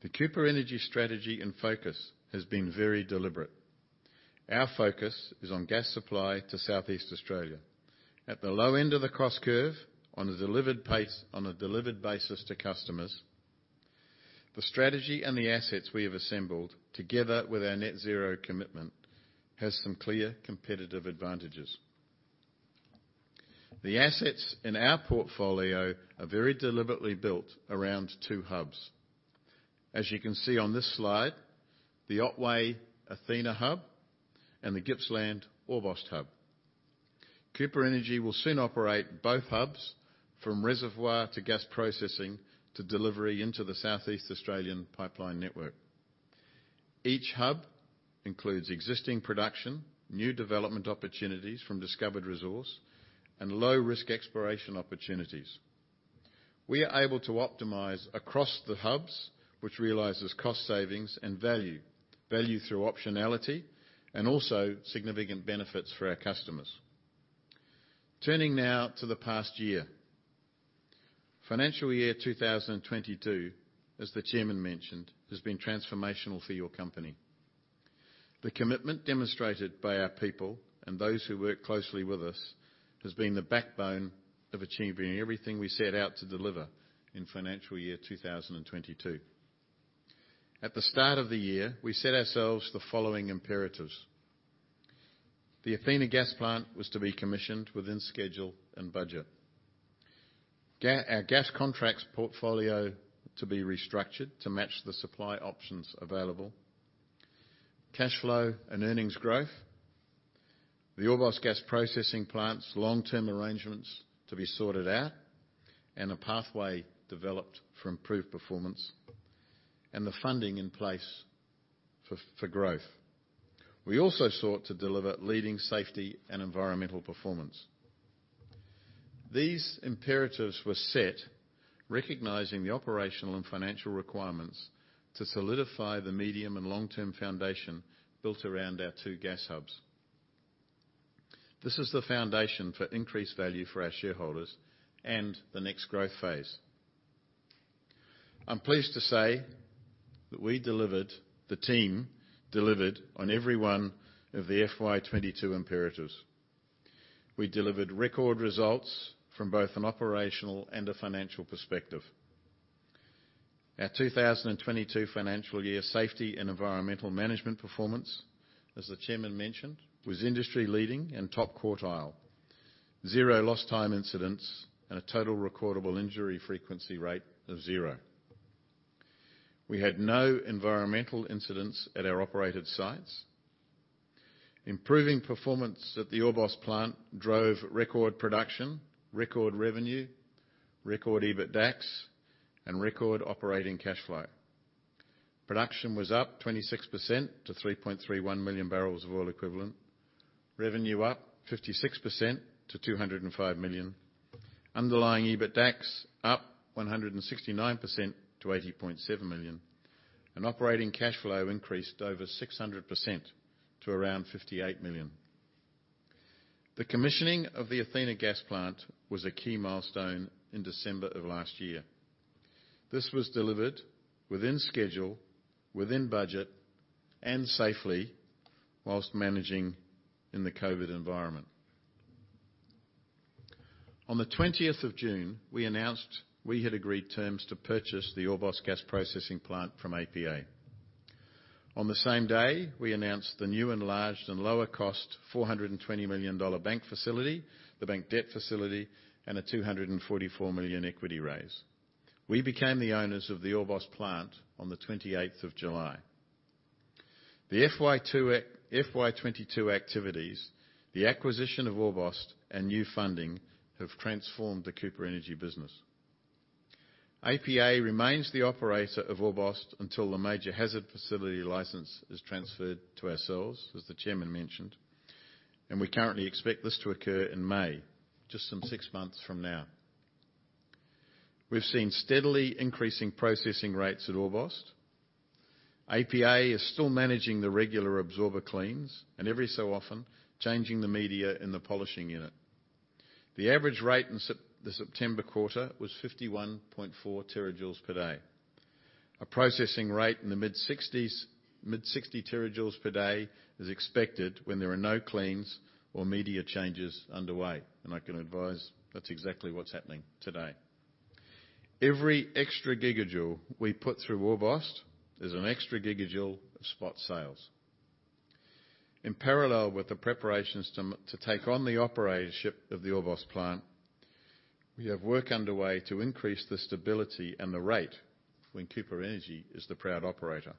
The Cooper Energy strategy and focus has been very deliberate. Our focus is on gas supply to Southeast Australia. At the low end of the cross curve on a delivered basis to customers, the strategy and the assets we have assembled together with our net zero commitment has some clear competitive advantages. The assets in our portfolio are very deliberately built around two hubs. As you can see on this slide, the Otway Athena hub and the Gippsland Orbost hub. Cooper Energy will soon operate both hubs from reservoir to gas processing, to delivery into the Southeast Australian pipeline network. Each hub includes existing production, new development opportunities from discovered resource, and low-risk exploration opportunities. We are able to optimize across the hubs, which realizes cost savings and value through optionality and also significant benefits for our customers. Turning now to the past year. Financial year 2022, as the chairman mentioned, has been transformational for your company. The commitment demonstrated by our people and those who work closely with us has been the backbone of achieving everything we set out to deliver in financial year 2022. At the start of the year, we set ourselves the following imperatives. The Athena Gas Plant was to be commissioned within schedule and budget. Our gas contracts portfolio to be restructured to match the supply options available. Cash flow and earnings growth. The Orbost Gas Processing Plant's long-term arrangements to be sorted out, and a pathway developed for improved performance and the funding in place for growth. We also sought to deliver leading safety and environmental performance. These imperatives were set recognizing the operational and financial requirements to solidify the medium and long-term foundation built around our two gas hubs. This is the foundation for increased value for our shareholders and the next growth phase. I'm pleased to say that we delivered, the team delivered on every one of the FY 2022 imperatives. We delivered record results from both an operational and a financial perspective. Our 2022 financial year safety and environmental management performance, as the chairman mentioned, was industry leading and top quartile. Zero lost time incidents and a total recordable injury frequency rate of zero. We had no environmental incidents at our operated sites. Improving performance at the Orbost plant drove record production, record revenue, record EBITDAX, and record operating cash flow. Production was up 26% to 3.31 million barrels of oil equivalent. Revenue up 56% to 205 million. Underlying EBITDAX up 169% to 80.7 million. Operating cash flow increased over 600% to around 58 million. The commissioning of the Athena gas plant was a key milestone in December of last year. This was delivered within schedule, within budget, and safely while managing in the COVID environment. On the twentieth of June, we announced we had agreed terms to purchase the Orbost gas processing plant from APA. On the same day, we announced the new enlarged and lower cost 420 million dollar bank facility, the bank debt facility, and a 244 million equity raise. We became the owners of the Orbost plant on the 28th of July. The FY 2022 activities, the acquisition of Orbost and new funding have transformed the Cooper Energy business. APA remains the operator of Orbost until the Major Hazard Facility license is transferred to ourselves, as the chairman mentioned, and we currently expect this to occur in May, just some six months from now. We've seen steadily increasing processing rates at Orbost. APA is still managing the regular absorber cleans, and every so often, changing the media in the polishing unit. The average rate in the September quarter was 51.4 TJ per day. A processing rate in the mid-60s, mid-60 TJ per day is expected when there are no cleans or media changes underway. I can advise that's exactly what's happening today. Every extra GJ we put through Orbost is an extra GJ of spot sales. In parallel with the preparations to take on the operatorship of the Orbost plant, we have work underway to increase the stability and the rate when Cooper Energy is the proud operator.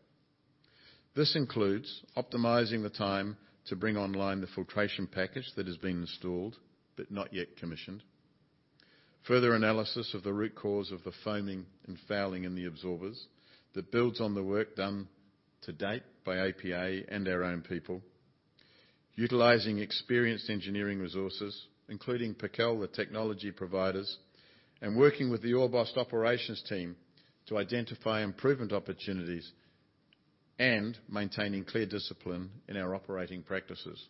This includes optimizing the time to bring online the filtration package that has been installed but not yet commissioned. Further analysis of the root cause of the foaming and fouling in the absorbers that builds on the work done to date by APA and our own people. Utilizing experienced engineering resources, including Pacoell, the technology providers, and working with the Orbost operations team to identify improvement opportunities and maintaining clear discipline in our operating practices.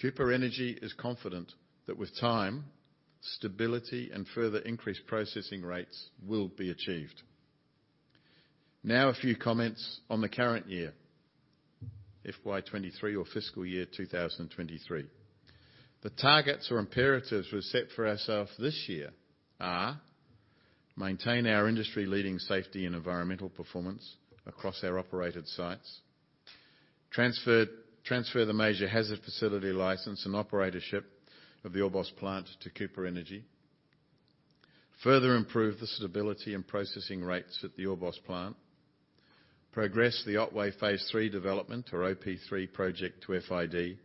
Cooper Energy is confident that with time, stability, and further increased processing rates will be achieved. Now a few comments on the current year, FY23 or fiscal year 2023. The targets or imperatives we've set for ourselves this year are maintain our industry-leading safety and environmental performance across our operated sites, transfer the Major Hazard Facility license and operatorship of the Orbost plant to Cooper Energy, further improve the stability and processing rates at the Orbost plant, progress the Otway Phase 3 development or OP3 project to FID,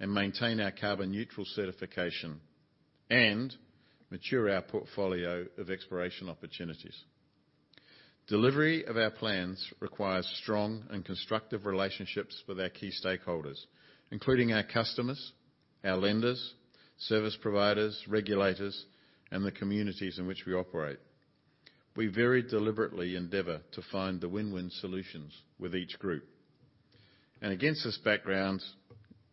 and maintain our carbon-neutral certification, and mature our portfolio of exploration opportunities. Delivery of our plans requires strong and constructive relationships with our key stakeholders, including our customers, our lenders, service providers, regulators, and the communities in which we operate. We very deliberately endeavour to find the win-win solutions with each group. Against this background,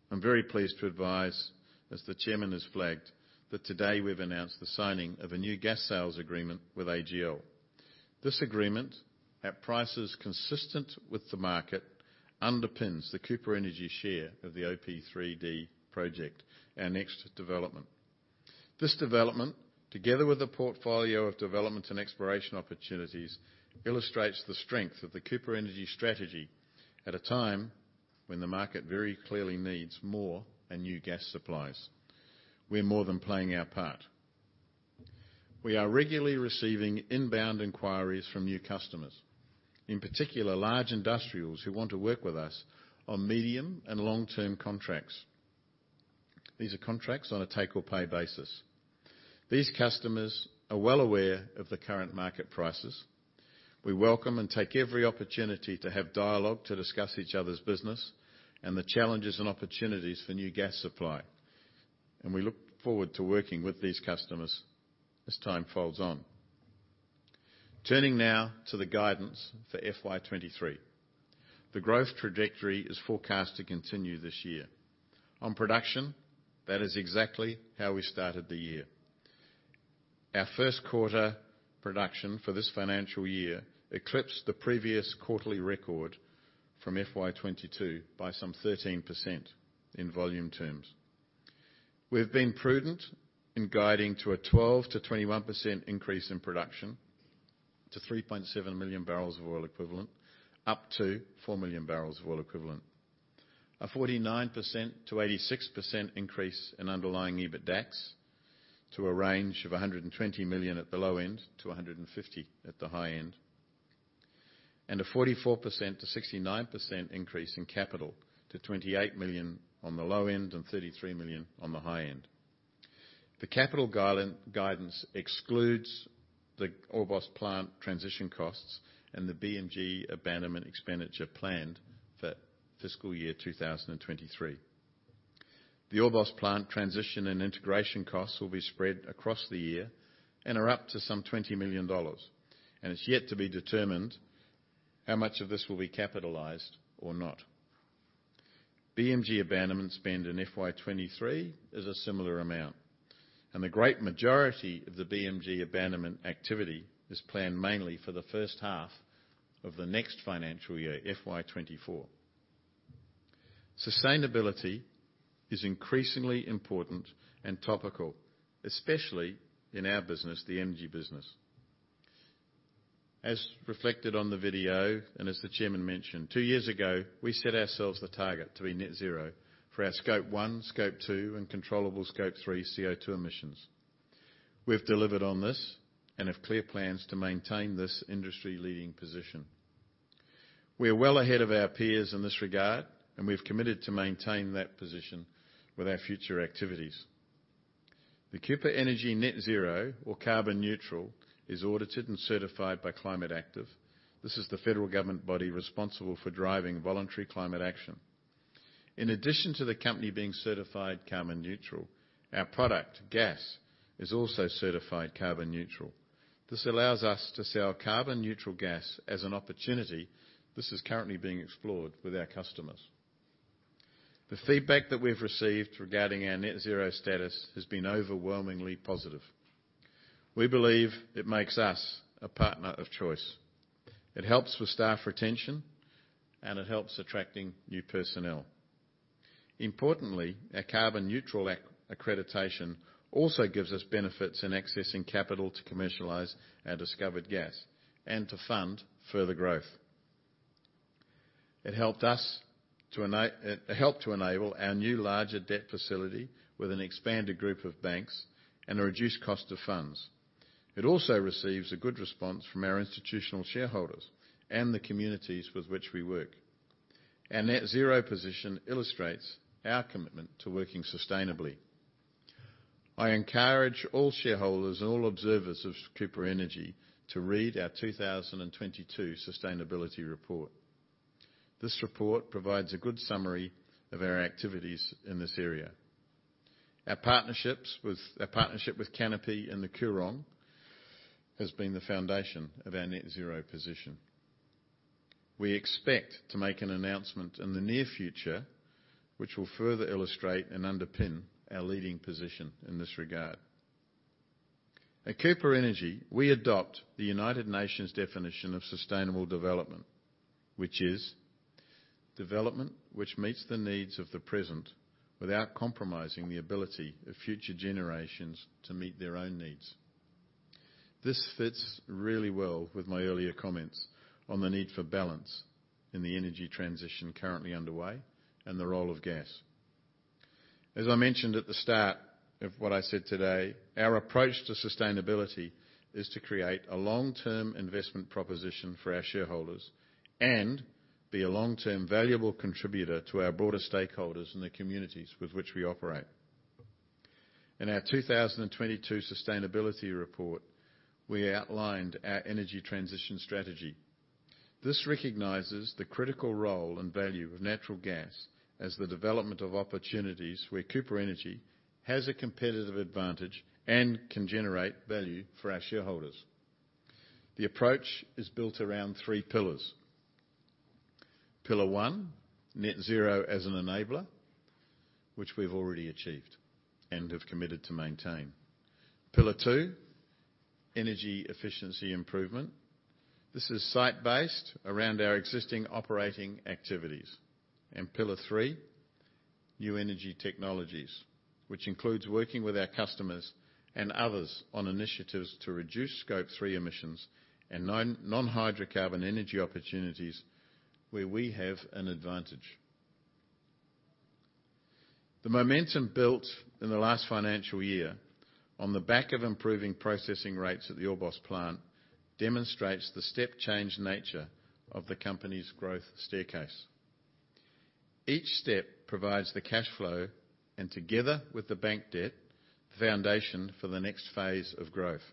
I'm very pleased to advise, as the Chairman has flagged, that today we've announced the signing of a new gas sales agreement with AGL. This agreement, at prices consistent with the market, underpins the Cooper Energy share of the OP3D project, our next development. This development, together with a portfolio of development and exploration opportunities, illustrates the strength of the Cooper Energy strategy at a time when the market very clearly needs more and new gas supplies. We're more than playing our part. We are regularly receiving inbound inquiries from new customers, in particular, large industrials who want to work with us on medium and long-term contracts. These are contracts on a take or pay basis. These customers are well aware of the current market prices. We welcome and take every opportunity to have dialogue to discuss each other's business and the challenges and opportunities for new gas supply, and we look forward to working with these customers as time goes on. Turning now to the guidance for FY23. The growth trajectory is forecast to continue this year. On production, that is exactly how we started the year. Our first quarter production for this financial year eclipsed the previous quarterly record from FY22 by some 13% in volume terms. We've been prudent in guiding to a 12%-21% increase in production to 3.7 million barrels of oil equivalent, up to 4 million barrels of oil equivalent. A 49%-86% increase in underlying EBITDAX to a range of $120 million at the low end to $150 million at the high end. A 44%-69% increase in capital to $28 million on the low end and $33 million on the high end. The capital guidance excludes the Orbost plant transition costs and the BMG abandonment expenditure planned for fiscal year 2023. The Orbost plant transition and integration costs will be spread across the year and are up to some $20 million, and it's yet to be determined how much of this will be capitalized or not. BMG abandonment spend in FY23 is a similar amount, and the great majority of the BMG abandonment activity is planned mainly for the first half of the next financial year, FY24. Sustainability is increasingly important and topical, especially in our business, the energy business. As reflected on the video and as the Chairman mentioned, two years ago, we set ourselves the target to be net zero for our Scope 1, Scope 2 and controllable Scope 3 CO2 emissions. We've delivered on this and have clear plans to maintain this industry-leading position. We are well ahead of our peers in this regard, and we've committed to maintain that position with our future activities. The Cooper Energy net zero or carbon neutral is audited and certified by Climate Active. This is the federal government body responsible for driving voluntary climate action. In addition to the company being certified carbon neutral, our product, gas, is also certified carbon neutral. This allows us to sell carbon-neutral gas as an opportunity. This is currently being explored with our customers. The feedback that we've received regarding our net zero status has been overwhelmingly positive. We believe it makes us a partner of choice. It helps with staff retention, and it helps attracting new personnel. Importantly, our carbon neutral accreditation also gives us benefits in accessing capital to commercialize our discovered gas and to fund further growth. It helped to enable our new larger debt facility with an expanded group of banks and a reduced cost of funds. It also receives a good response from our institutional shareholders and the communities with which we work. Our net zero position illustrates our commitment to working sustainably. I encourage all shareholders and all observers of Cooper Energy to read our 2022 sustainability report. This report provides a good summary of our activities in this area. Our partnership with Canopy in the Coorong has been the foundation of our net zero position. We expect to make an announcement in the near future, which will further illustrate and underpin our leading position in this regard. At Cooper Energy, we adopt the United Nations definition of sustainable development, which is development which meets the needs of the present without compromising the ability of future generations to meet their own needs. This fits really well with my earlier comments on the need for balance in the energy transition currently underway and the role of gas. As I mentioned at the start of what I said today, our approach to sustainability is to create a long-term investment proposition for our shareholders and be a long-term valuable contributor to our broader stakeholders in the communities with which we operate. In our 2022 sustainability report, we outlined our energy transition strategy. This recognizes the critical role and value of natural gas as the development of opportunities where Cooper Energy has a competitive advantage and can generate value for our shareholders. The approach is built around three pillars. Pillar one, net zero as an enabler, which we've already achieved and have committed to maintain. Pillar two, energy efficiency improvement. This is site-based around our existing operating activities. Pillar three, new energy technologies, which includes working with our customers and others on initiatives to reduce scope three emissions and non-hydrocarbon energy opportunities where we have an advantage. The momentum built in the last financial year on the back of improving processing rates at the Orbost plant demonstrates the step change nature of the company's growth staircase. Each step provides the cash flow and together with the bank debt, the foundation for the next phase of growth.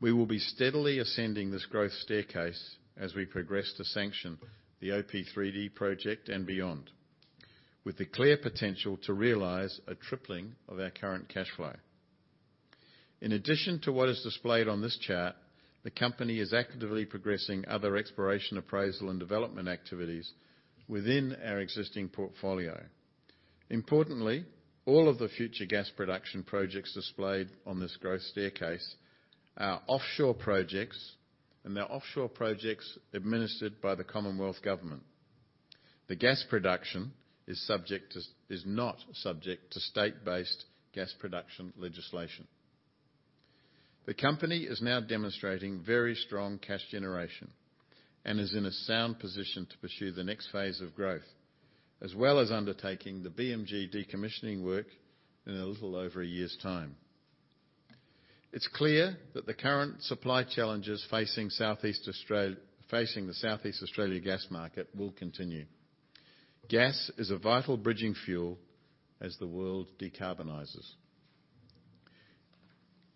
We will be steadily ascending this growth staircase as we progress to sanction the OP3D project and beyond, with the clear potential to realize a tripling of our current cash flow. In addition to what is displayed on this chart, the company is actively progressing other exploration, appraisal, and development activities within our existing portfolio. Importantly, all of the future gas production projects displayed on this growth staircase are offshore projects, and they're offshore projects administered by the Commonwealth government. The gas production is not subject to state-based gas production legislation. The company is now demonstrating very strong cash generation and is in a sound position to pursue the next phase of growth, as well as undertaking the BMG decommissioning work in a little over a year's time. It's clear that the current supply challenges facing the Southeast Australia gas market will continue. Gas is a vital bridging fuel as the world decarbonizes.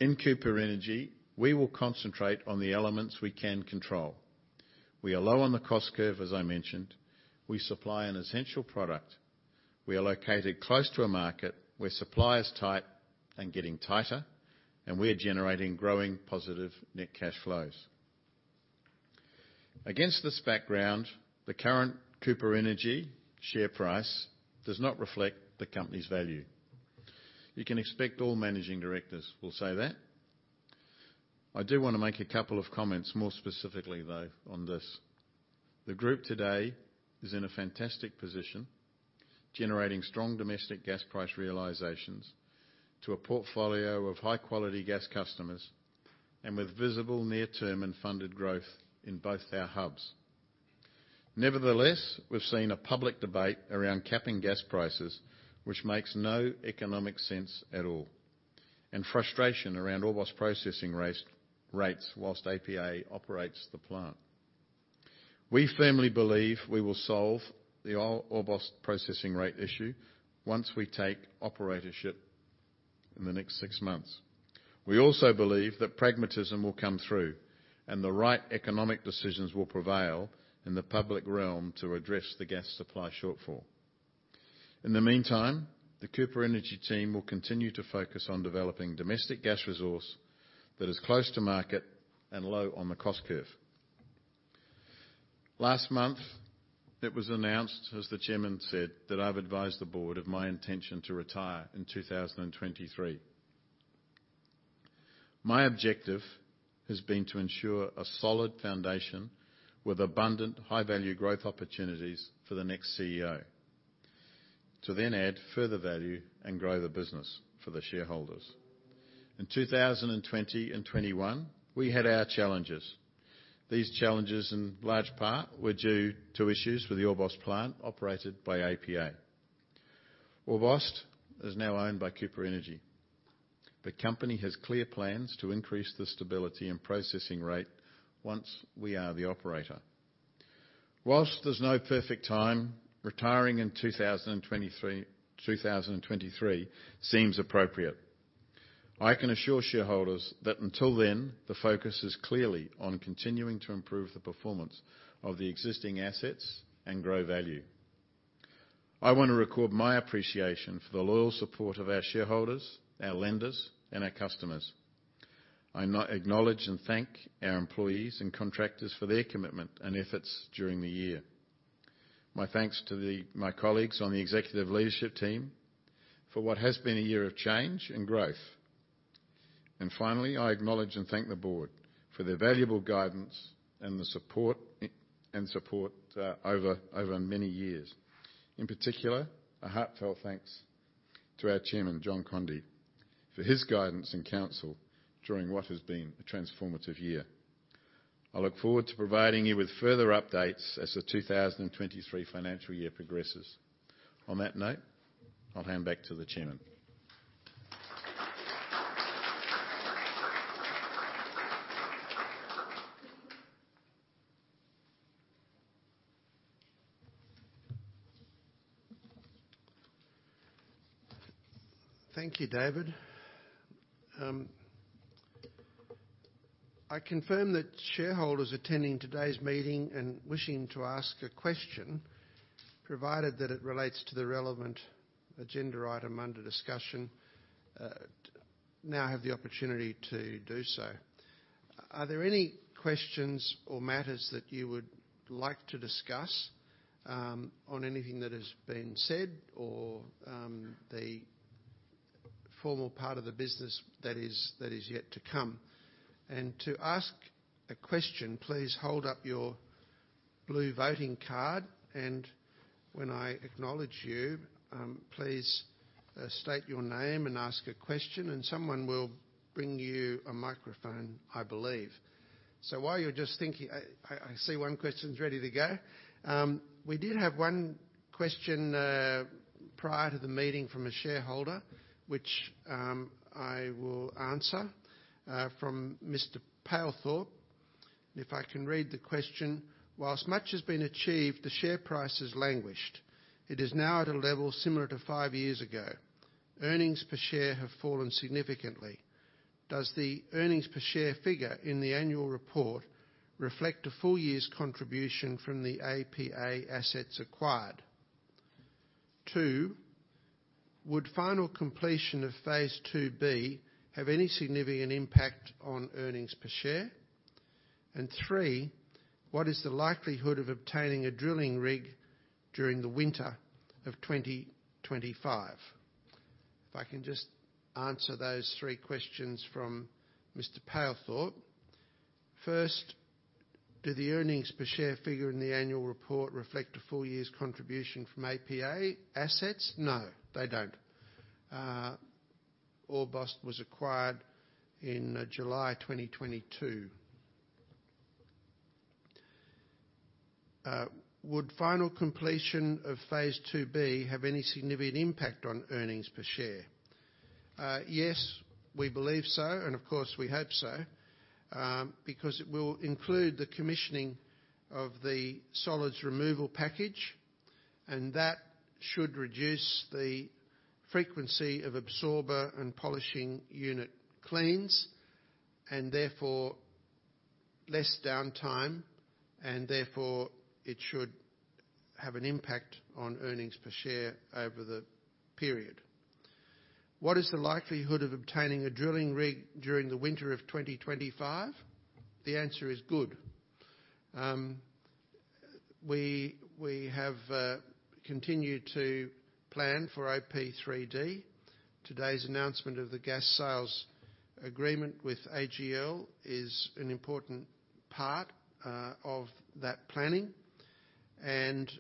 In Cooper Energy, we will concentrate on the elements we can control. We are low on the cost curve, as I mentioned. We supply an essential product. We are located close to a market where supply is tight and getting tighter, and we're generating growing positive net cash flows. Against this background, the current Cooper Energy share price does not reflect the company's value. You can expect all managing directors will say that. I do wanna make a couple of comments more specifically, though, on this. The group today is in a fantastic position, generating strong domestic gas price realizations to a portfolio of high-quality gas customers and with visible near-term and funded growth in both our hubs. Nevertheless, we've seen a public debate around capping gas prices, which makes no economic sense at all, and frustration around Orbost processing rates while APA operates the plant. We firmly believe we will solve the Orbost processing rate issue once we take operatorship in the next six months. We also believe that pragmatism will come through and the right economic decisions will prevail in the public realm to address the gas supply shortfall. In the meantime, the Cooper Energy team will continue to focus on developing domestic gas resource that is close to market and low on the cost curve. Last month, it was announced, as the chairman said, that I've advised the board of my intention to retire in 2023. My objective has been to ensure a solid foundation with abundant high-value growth opportunities for the next CEO to then add further value and grow the business for the shareholders. In 2020 and 2021, we had our challenges. These challenges in large part were due to issues with the Orbost plant operated by APA. Orbost is now owned by Cooper Energy. The company has clear plans to increase the stability and processing rate once we are the operator. While there's no perfect time, retiring in 2023 seems appropriate. I can assure shareholders that until then, the focus is clearly on continuing to improve the performance of the existing assets and grow value. I want to record my appreciation for the loyal support of our shareholders, our lenders, and our customers. I acknowledge and thank our employees and contractors for their commitment and efforts during the year. My thanks to my colleagues on the executive leadership team for what has been a year of change and growth. Finally, I acknowledge and thank the board for their valuable guidance and the support over many years. In particular, a heartfelt thanks to our chairman, John Conde, for his guidance and counsel during what has been a transformative year. I look forward to providing you with further updates as the 2023 financial year progresses. On that note, I'll hand back to the chairman. Thank you, David. I confirm that shareholders attending today's meeting and wishing to ask a question, provided that it relates to the relevant agenda item under discussion, now have the opportunity to do so. Are there any questions or matters that you would like to discuss, on anything that has been said or, the formal part of the business that is yet to come? To ask a question, please hold up your blue voting card, and when I acknowledge you, please, state your name and ask a question, and someone will bring you a microphone, I believe. While you're just thinking, I see one question's ready to go. We did have one question prior to the meeting from a shareholder, which, I will answer, from Mr. Palethorpe. If I can read the question. While much has been achieved, the share price has languished. It is now at a level similar to five years ago. Earnings per share have fallen significantly. Does the earnings per share figure in the annual report reflect a full year's contribution from the APA assets acquired? Two, would final completion of phase II-B have any significant impact on earnings per share? And three, what is the likelihood of obtaining a drilling rig during the winter of 2025? If I can just answer those three questions from Mr. Palethorpe. First, do the earnings per share figure in the annual report reflect a full year's contribution from APA assets? No, they don't. Orbost was acquired in July 2022. Would final completion of phase II-B have any significant impact on earnings per share? Yes, we believe so, and of course, we hope so, because it will include the commissioning of the solids removal package, and that should reduce the frequency of absorber and polishing unit cleans, and therefore less downtime, and therefore it should have an impact on earnings per share over the period. What is the likelihood of obtaining a drilling rig during the winter of 2025? The answer is good. We have continued to plan for OP3D. Today's announcement of the gas sales agreement with AGL is an important part of that planning, and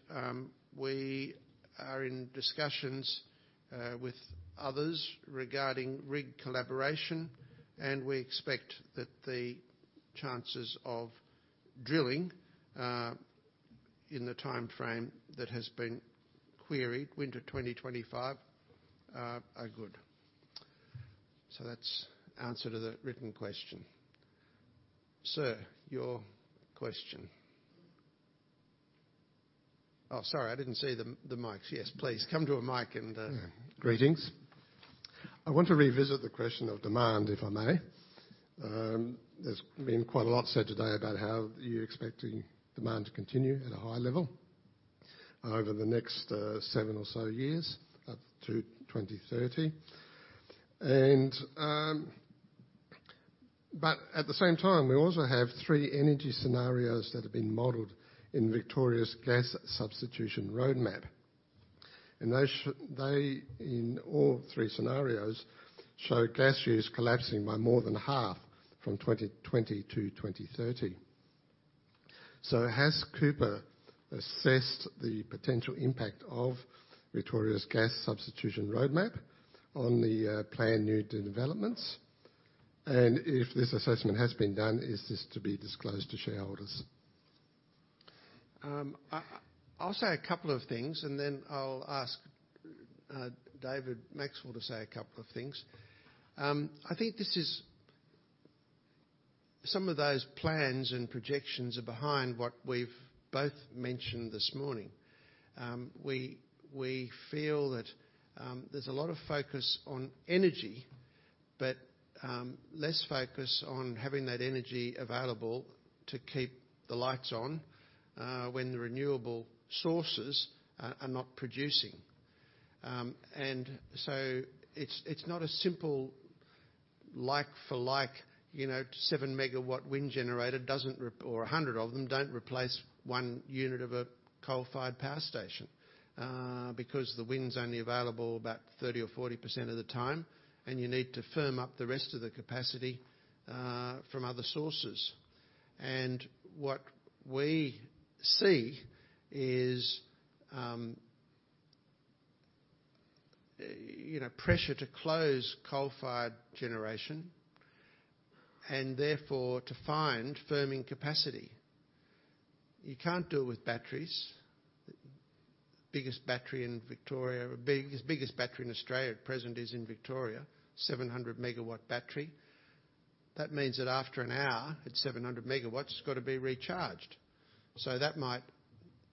we are in discussions with others regarding rig collaboration, and we expect that the chances of drilling in the time frame that has been queried, winter 2025, are good. So that's answer to the written question. Sir, your question. Oh, sorry, I didn't see the mics. Yes, please come to a mic. Greetings. I want to revisit the question of demand, if I may. There's been quite a lot said today about how you're expecting demand to continue at a high level over the next seven or so years, up to 2030. At the same time, we also have three energy scenarios that have been modeled in Victoria's gas substitution roadmap. They, in all three scenarios, show gas use collapsing by more than half from 2020 to 2030. Has Cooper assessed the potential impact of Victoria's gas substitution roadmap on the planned new developments? If this assessment has been done, is this to be disclosed to shareholders? I'll say a couple of things, and then I'll ask David Maxwell to say a couple of things. I think some of those plans and projections are behind what we've both mentioned this morning. We feel that there's a lot of focus on energy. Less focus on having that energy available to keep the lights on, when the renewable sources are not producing. It's not a simple like for like, you know, 7 MW wind generator doesn't or 100 of them don't replace one unit of a coal-fired power station. Because the wind's only available about 30% or 40% of the time, and you need to firm up the rest of the capacity from other sources. What we see is, you know, pressure to close coal-fired generation and therefore to find firming capacity. You can't do it with batteries. Biggest battery in Australia at present is in Victoria, 700 MW battery. That means that after an hour, at 700 MW, it's gotta be recharged. That might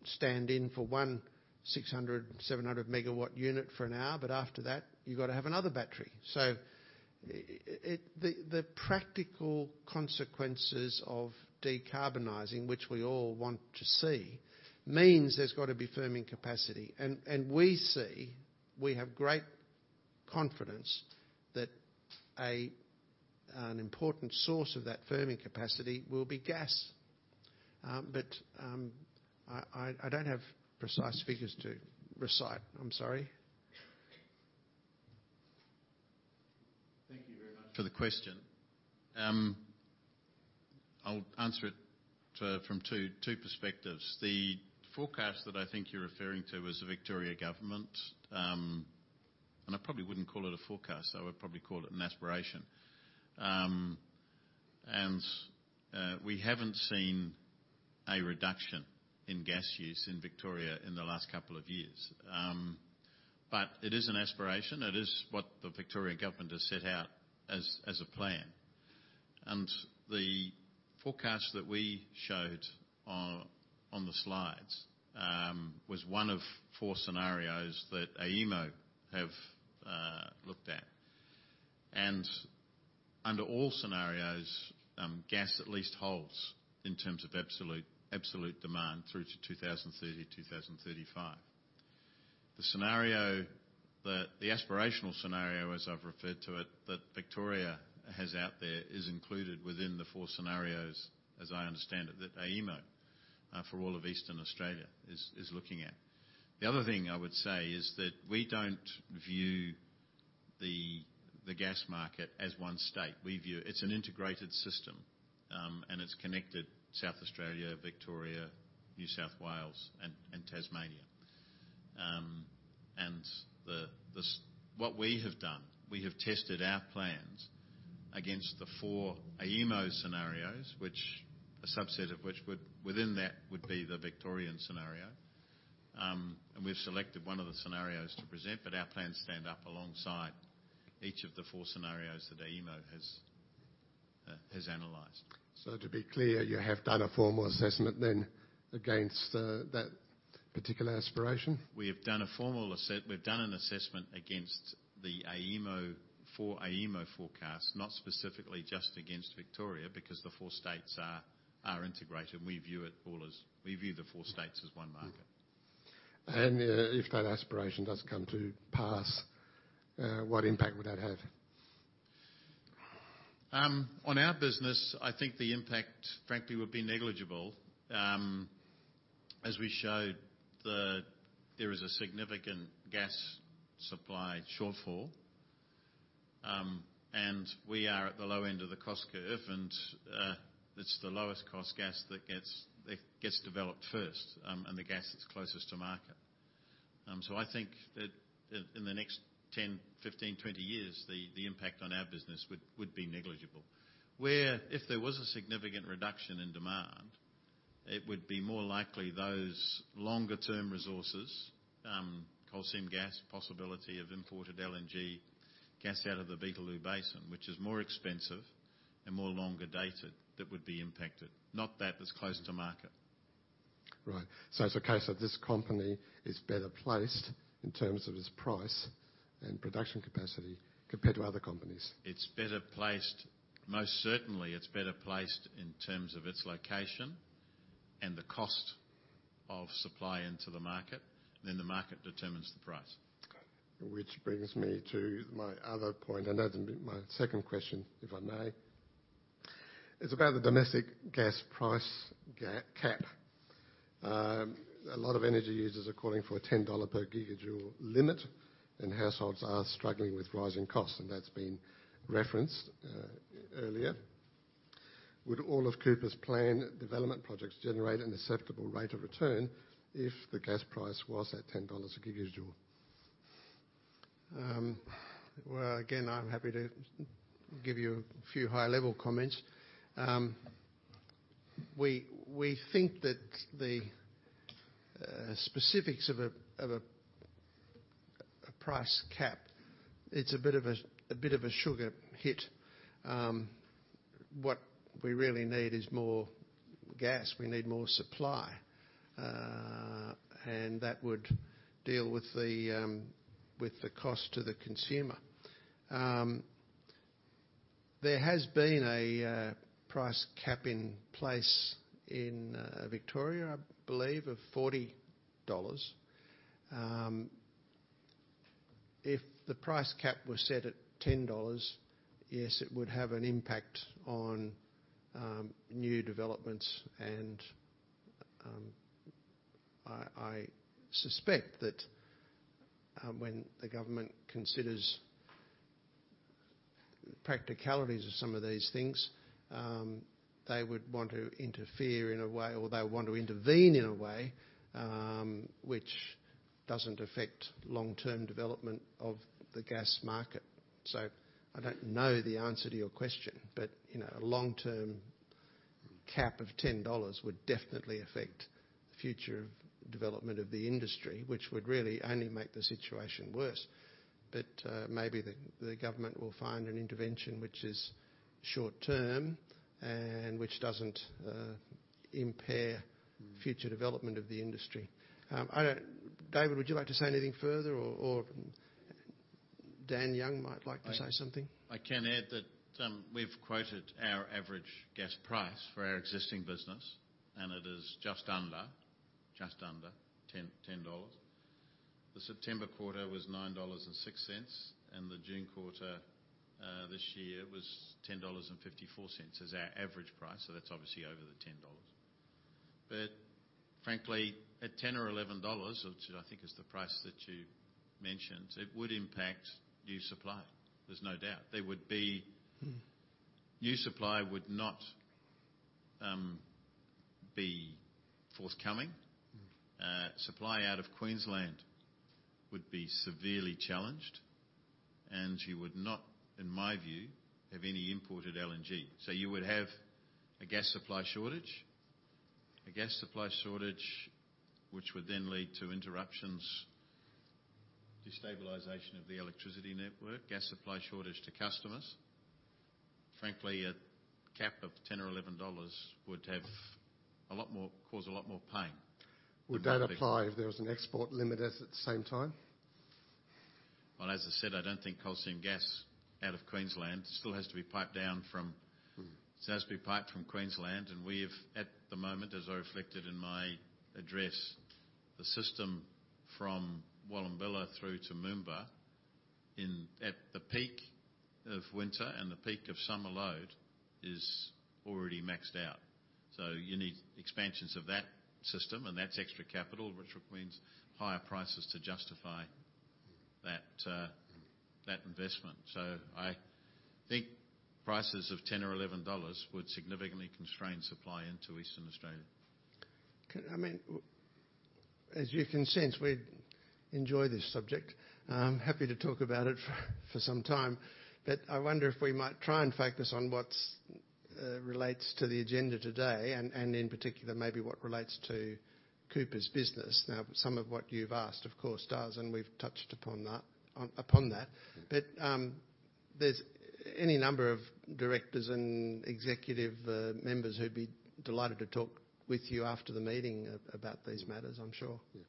stand in for one 600 MW-700 MW unit for an hour, but after that, you've gotta have another battery. The practical consequences of decarbonizing, which we all want to see, means there's gotta be firming capacity. We see, we have great confidence that an important source of that firming capacity will be gas. I don't have precise figures to recite. I'm sorry. Thank you very much for the question. I'll answer it from two perspectives. The forecast that I think you're referring to was the Victorian government. I probably wouldn't call it a forecast, though. I'd probably call it an aspiration. We haven't seen a reduction in gas use in Victoria in the last couple of years. It is an aspiration. It is what the Victorian government has set out as a plan. The forecast that we showed on the slides was one of four scenarios that AEMO have looked at. Under all scenarios, gas at least holds in terms of absolute demand through to 2030-2035. The aspirational scenario, as I've referred to it, that Victoria has out there is included within the four scenarios, as I understand it, that AEMO for all of Eastern Australia is looking at. The other thing I would say is that we don't view the gas market as one state. We view it as an integrated system, and it's connected South Australia, Victoria, New South Wales, and Tasmania. What we have done, we have tested our plans against the four AEMO scenarios, which a subset of which would, within that would be the Victorian scenario. We've selected one of the scenarios to present, but our plans stand up alongside each of the four scenarios that AEMO has analyzed. To be clear, you have done a formal assessment then against that particular aspiration? We've done an assessment against four AEMO forecasts, not specifically just against Victoria, because the four states are integrated. We view the four states as one market. If that aspiration does come to pass, what impact would that have? On our business, I think the impact, frankly, would be negligible. As we showed, there is a significant gas supply shortfall, and we are at the low end of the cost curve, and it's the lowest cost gas that gets developed first, and the gas that's closest to market. I think that in the next 10, 15, 20 years, the impact on our business would be negligible. Where if there was a significant reduction in demand, it would be more likely those longer term resources, Coal Seam Gas, possibility of imported LNG, gas out of the Beetaloo Basin, which is more expensive and more longer dated that would be impacted, not that that's close to market. Right. It's a case that this company is better placed in terms of its price and production capacity compared to other companies. It's better placed. Most certainly, it's better placed in terms of its location and the cost of supply into the market. The market determines the price. Which brings me to my other point, and that'll be my second question, if I may. It's about the domestic gas price cap. A lot of energy users are calling for an 10 dollar per GJ limit, and households are struggling with rising costs, and that's been referenced earlier. Would all of Cooper's planned development projects generate an acceptable rate of return if the gas price was at 10 dollars a GJ? Well, again, I'm happy to give you a few high-level comments. We think that the specifics of a price cap, it's a bit of a sugar hit. What we really need is more gas. We need more supply. That would deal with the cost to the consumer. There has been a price cap in place in Victoria, I believe, of AUD 40. If the price cap was set at 10 dollars, yes, it would have an impact on new developments, and I suspect that when the government considers practicalities of some of these things, they would want to interfere in a way, or they want to intervene in a way, which doesn't affect long-term development of the gas market. I don't know the answer to your question, but you know, a long-term cap of 10 dollars would definitely affect the future of development of the industry, which would really only make the situation worse. Maybe the government will find an intervention which is short-term and which doesn't impair future development of the industry. David, would you like to say anything further? Or Dan Young might like to say something. I can add that we've quoted our average gas price for our existing business, and it is just under 10 dollars. The September quarter was 9.06 dollars, and the June quarter this year was 10.54 dollars is our average price, so that's obviously over the 10 dollars. Frankly, at 10 or 11 dollars, which I think is the price that you mentioned, it would impact new supply. There's no doubt. There would be, new supply would not be forthcoming. Supply out of Queensland would be severely challenged and you would not, in my view, have any imported LNG. You would have a gas supply shortage which would then lead to interruptions, destabilization of the electricity network, gas supply shortage to customers. Frankly, a cap of 10 or 11 dollars would cause a lot more pain than nobody. Would that apply if there was an export limit as at the same time? Well, as I said, I don't think Coal Seam Gas out of Queensland still has to be piped down from. Mm-hmm. Still has to be piped from Queensland, and we've, at the moment, as I reflected in my address, the system from Wallumbilla through to Moomba in, at the peak of winter and the peak of summer load is already maxed out. You need expansions of that system, and that's extra capital, which requires higher prices to justify that investment. I think prices of 10 or 11 dollars would significantly constrain supply into Eastern Australia. I mean, as you can sense, we enjoy this subject. I'm happy to talk about it for some time. I wonder if we might try and focus on what relates to the agenda today and in particular, maybe what relates to Cooper's business. Now, some of what you've asked, of course, does and we've touched upon that. There's any number of directors and executive members who'd be delighted to talk with you after the meeting about these matters, I'm sure. Yeah.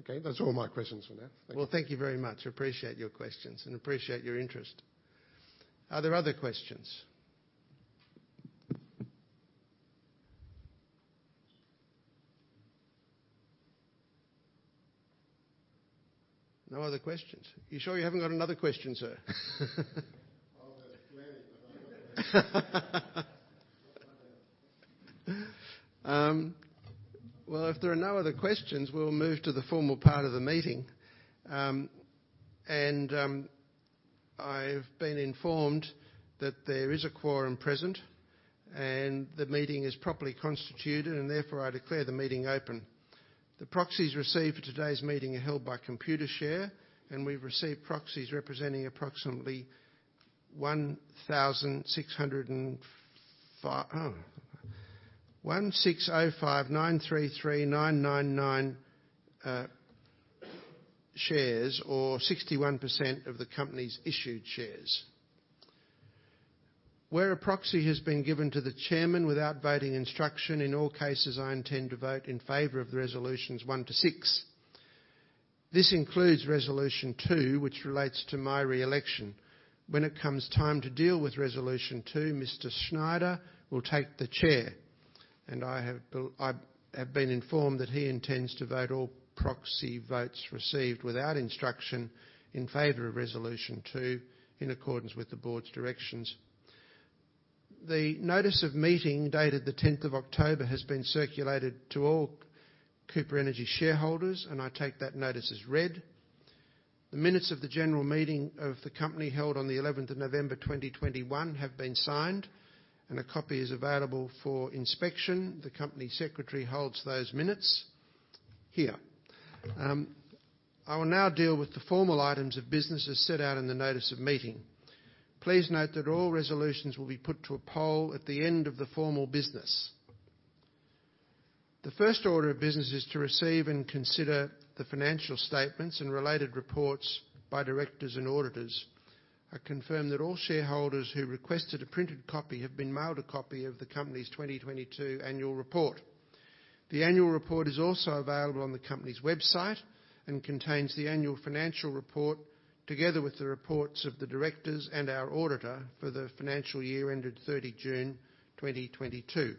Okay. That's all my questions for now. Thank you. Well, thank you very much. Appreciate your questions and appreciate your interest. Are there other questions? No other questions. You sure you haven't got another question, sir? I've got plenty, but I won't. Well, if there are no other questions, we'll move to the formal part of the meeting. I've been informed that there is a quorum present and the meeting is properly constituted, and therefore I declare the meeting open. The proxies received for today's meeting are held by Computershare, and we've received proxies representing approximately 1,605,933,999 shares, or 61% of the company's issued shares. Where a proxy has been given to the chairman without voting instruction, in all cases I intend to vote in favor of the Resolutions 1 to 6. This includes Resolution 2, which relates to my re-election. When it comes time to deal with Resolution 2, Mr. Schneider will take the chair, and I have been informed that he intends to vote all proxy votes received without instruction in favor of Resolution 2 in accordance with the board's directions. The notice of meeting dated the tenth of October has been circulated to all Cooper Energy shareholders, and I take that notice as read. The minutes of the general meeting of the company held on the eleventh of November 2021 have been signed and a copy is available for inspection. The company secretary holds those minutes here. I will now deal with the formal items of business as set out in the notice of meeting. Please note that all resolutions will be put to a poll at the end of the formal business. The first order of business is to receive and consider the financial statements and related reports by directors and auditors. I confirm that all shareholders who requested a printed copy have been mailed a copy of the company's 2022 Annual Report. The annual report is also available on the company's website and contains the annual financial report, together with the reports of the directors and our auditor for the financial year ended 30 June 2022.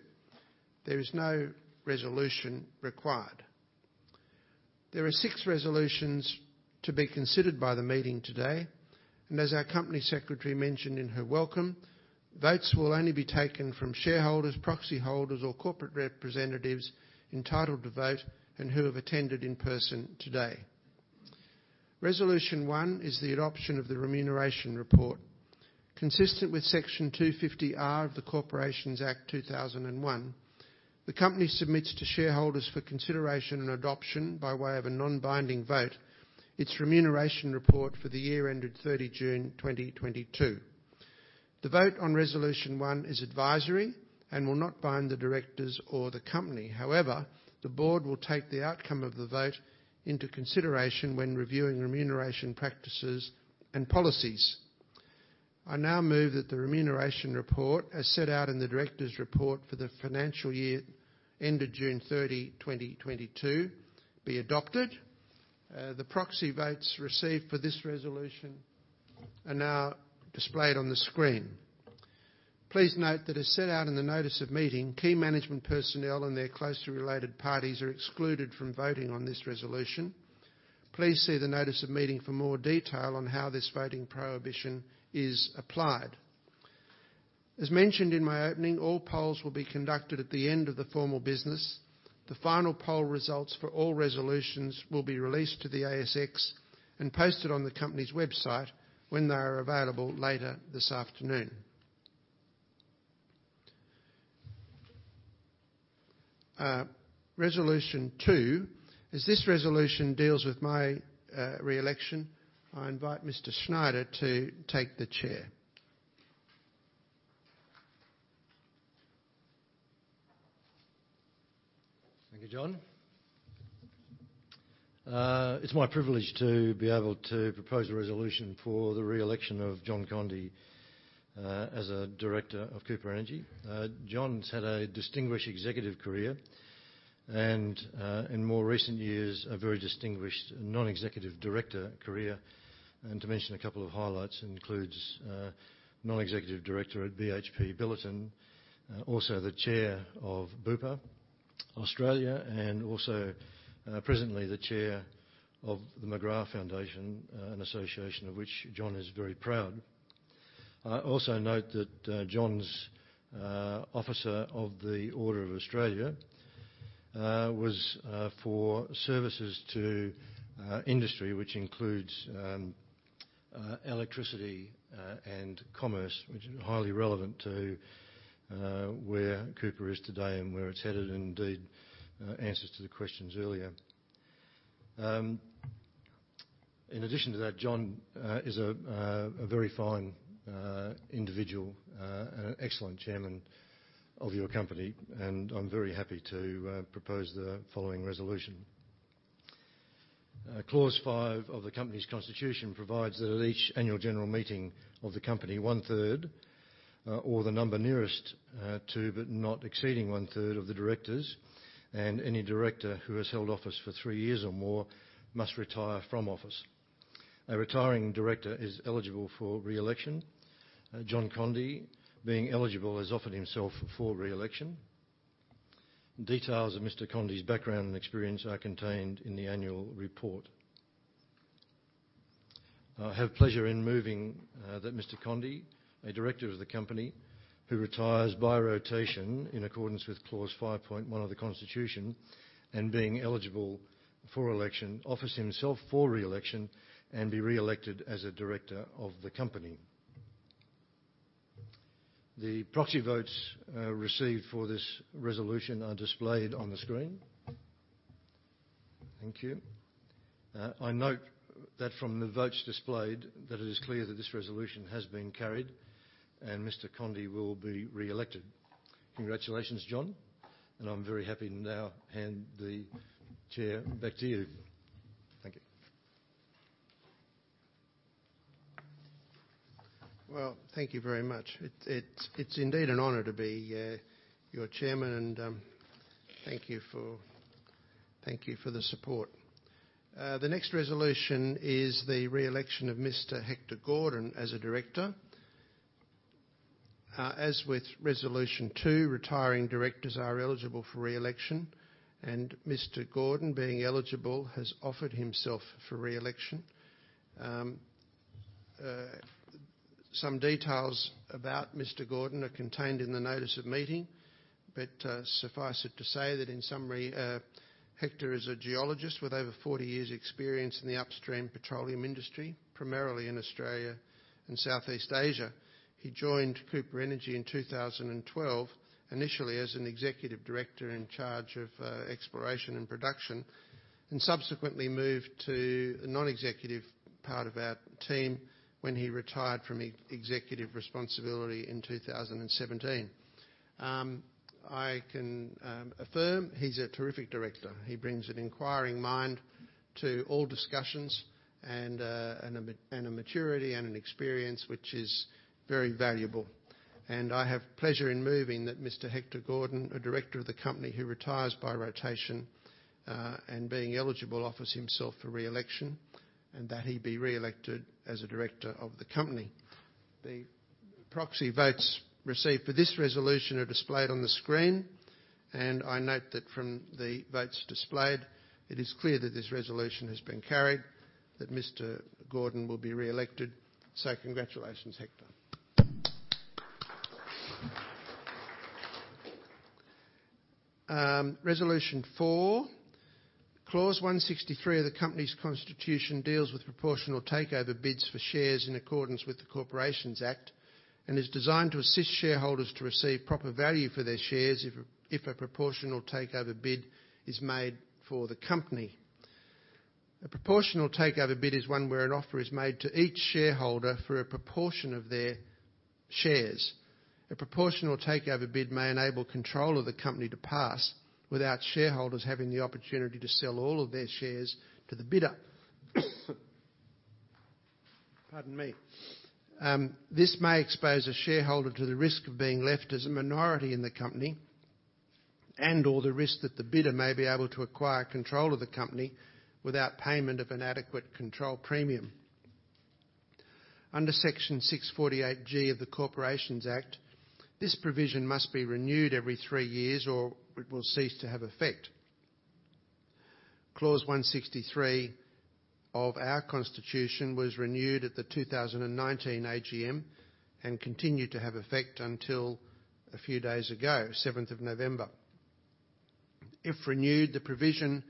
There is no resolution required. There are six resolutions to be considered by the meeting today, and as our company secretary mentioned in her welcome, votes will only be taken from shareholders, proxy holders or corporate representatives entitled to vote and who have attended in person today. Resolution one is the adoption of the remuneration report. Consistent with Section 250R of the Corporations Act 2001, the company submits to shareholders for consideration and adoption by way of a non-binding vote its remuneration report for the year ended 30 June 2022. The vote on Resolution 1 is advisory and will not bind the directors or the company. However, the board will take the outcome of the vote into consideration when reviewing remuneration practices and policies. I now move that the remuneration report, as set out in the director's report for the financial year ended 30 June 2022, be adopted. The proxy votes received for this resolution are now displayed on the screen. Please note that as set out in the notice of meeting, key management personnel and their closely related parties are excluded from voting on this resolution. Please see the notice of meeting for more detail on how this voting prohibition is applied. As mentioned in my opening, all polls will be conducted at the end of the formal business. The final poll results for all resolutions will be released to the ASX and posted on the company's website when they are available later this afternoon. Resolution 2. As this resolution deals with my re-election, I invite Mr. Schneider to take the chair. Thank you, John. It's my privilege to be able to propose a resolution for the re-election of John Conde as a director of Amplitude Energy. John's had a distinguished executive career and in more recent years a very distinguished non-executive director career. To mention a couple of highlights includes non-executive director at BHP Billiton also the chair of Bupa Australia and also presently the chair of the McGrath Foundation an association of which John is very proud. I also note that John's Officer of the Order of Australia was for services to industry which includes electricity and commerce which are highly relevant to where Amplitude Energy is today and where it's headed and indeed answers to the questions earlier. In addition to that, John is a very fine individual and an excellent chairman of your company, and I'm very happy to propose the following resolution. Clause 5 of the company's constitution provides that at each annual general meeting of the company, one-third or the number nearest to, but not exceeding one-third of the directors and any director who has held office for three years or more must retire from office. A retiring director is eligible for re-election. John Conde, being eligible, has offered himself for re-election. Details of Mr. Conde's background and experience are contained in the annual report. I have pleasure in moving that Mr. Conde, a director of the company who retires by rotation in accordance with Clause 5.1 of the Constitution and being eligible for election, offers himself for re-election and be re-elected as a director of the company. The proxy votes received for this resolution are displayed on the screen. Thank you. I note that from the votes displayed that it is clear that this resolution has been carried and Mr. Conde will be re-elected. Congratulations, John, and I'm very happy to now hand the chair back to you. Thank you. Well, thank you very much. It's indeed an honor to be your chairman and thank you for the support. The next resolution is the re-election of Mr. Hector Gordon as a director. As with Resolution 2, retiring directors are eligible for re-election, and Mr. Gordon, being eligible, has offered himself for re-election. Some details about Mr. Gordon are contained in the notice of meeting, but suffice it to say that in summary, Hector is a geologist with over 40 years' experience in the upstream petroleum industry, primarily in Australia and Southeast Asia. He joined Cooper Energy in 2012, initially as an executive director in charge of exploration and production. Subsequently moved to the non-executive part of our team when he retired from executive responsibility in 2017. I can affirm he's a terrific director. He brings an inquiring mind to all discussions and a maturity and an experience which is very valuable. I have pleasure in moving that Mr. Hector Gordon, a director of the company, who retires by rotation and being eligible, offers himself for re-election, and that he be re-elected as a director of the company. The proxy votes received for this resolution are displayed on the screen. I note that from the votes displayed, it is clear that this resolution has been carried, that Mr. Gordon will be re-elected. Congratulations, Hector. Resolution 4. Clause 163 of the company's constitution deals with proportional takeover bids for shares in accordance with the Corporations Act, and is designed to assist shareholders to receive proper value for their shares if a proportional takeover bid is made for the company. A proportional takeover bid is one where an offer is made to each shareholder for a proportion of their shares. A proportional takeover bid may enable control of the company to pass without shareholders having the opportunity to sell all of their shares to the bidder. Pardon me. This may expose a shareholder to the risk of being left as a minority in the company and/or the risk that the bidder may be able to acquire control of the company without payment of an adequate control premium. Under Section 648G of the Corporations Act, this provision must be renewed every three years, or it will cease to have effect. Clause 163 of our constitution was renewed at the 2019 AGM and continued to have effect until a few days ago, seventh of November. If renewed, the provision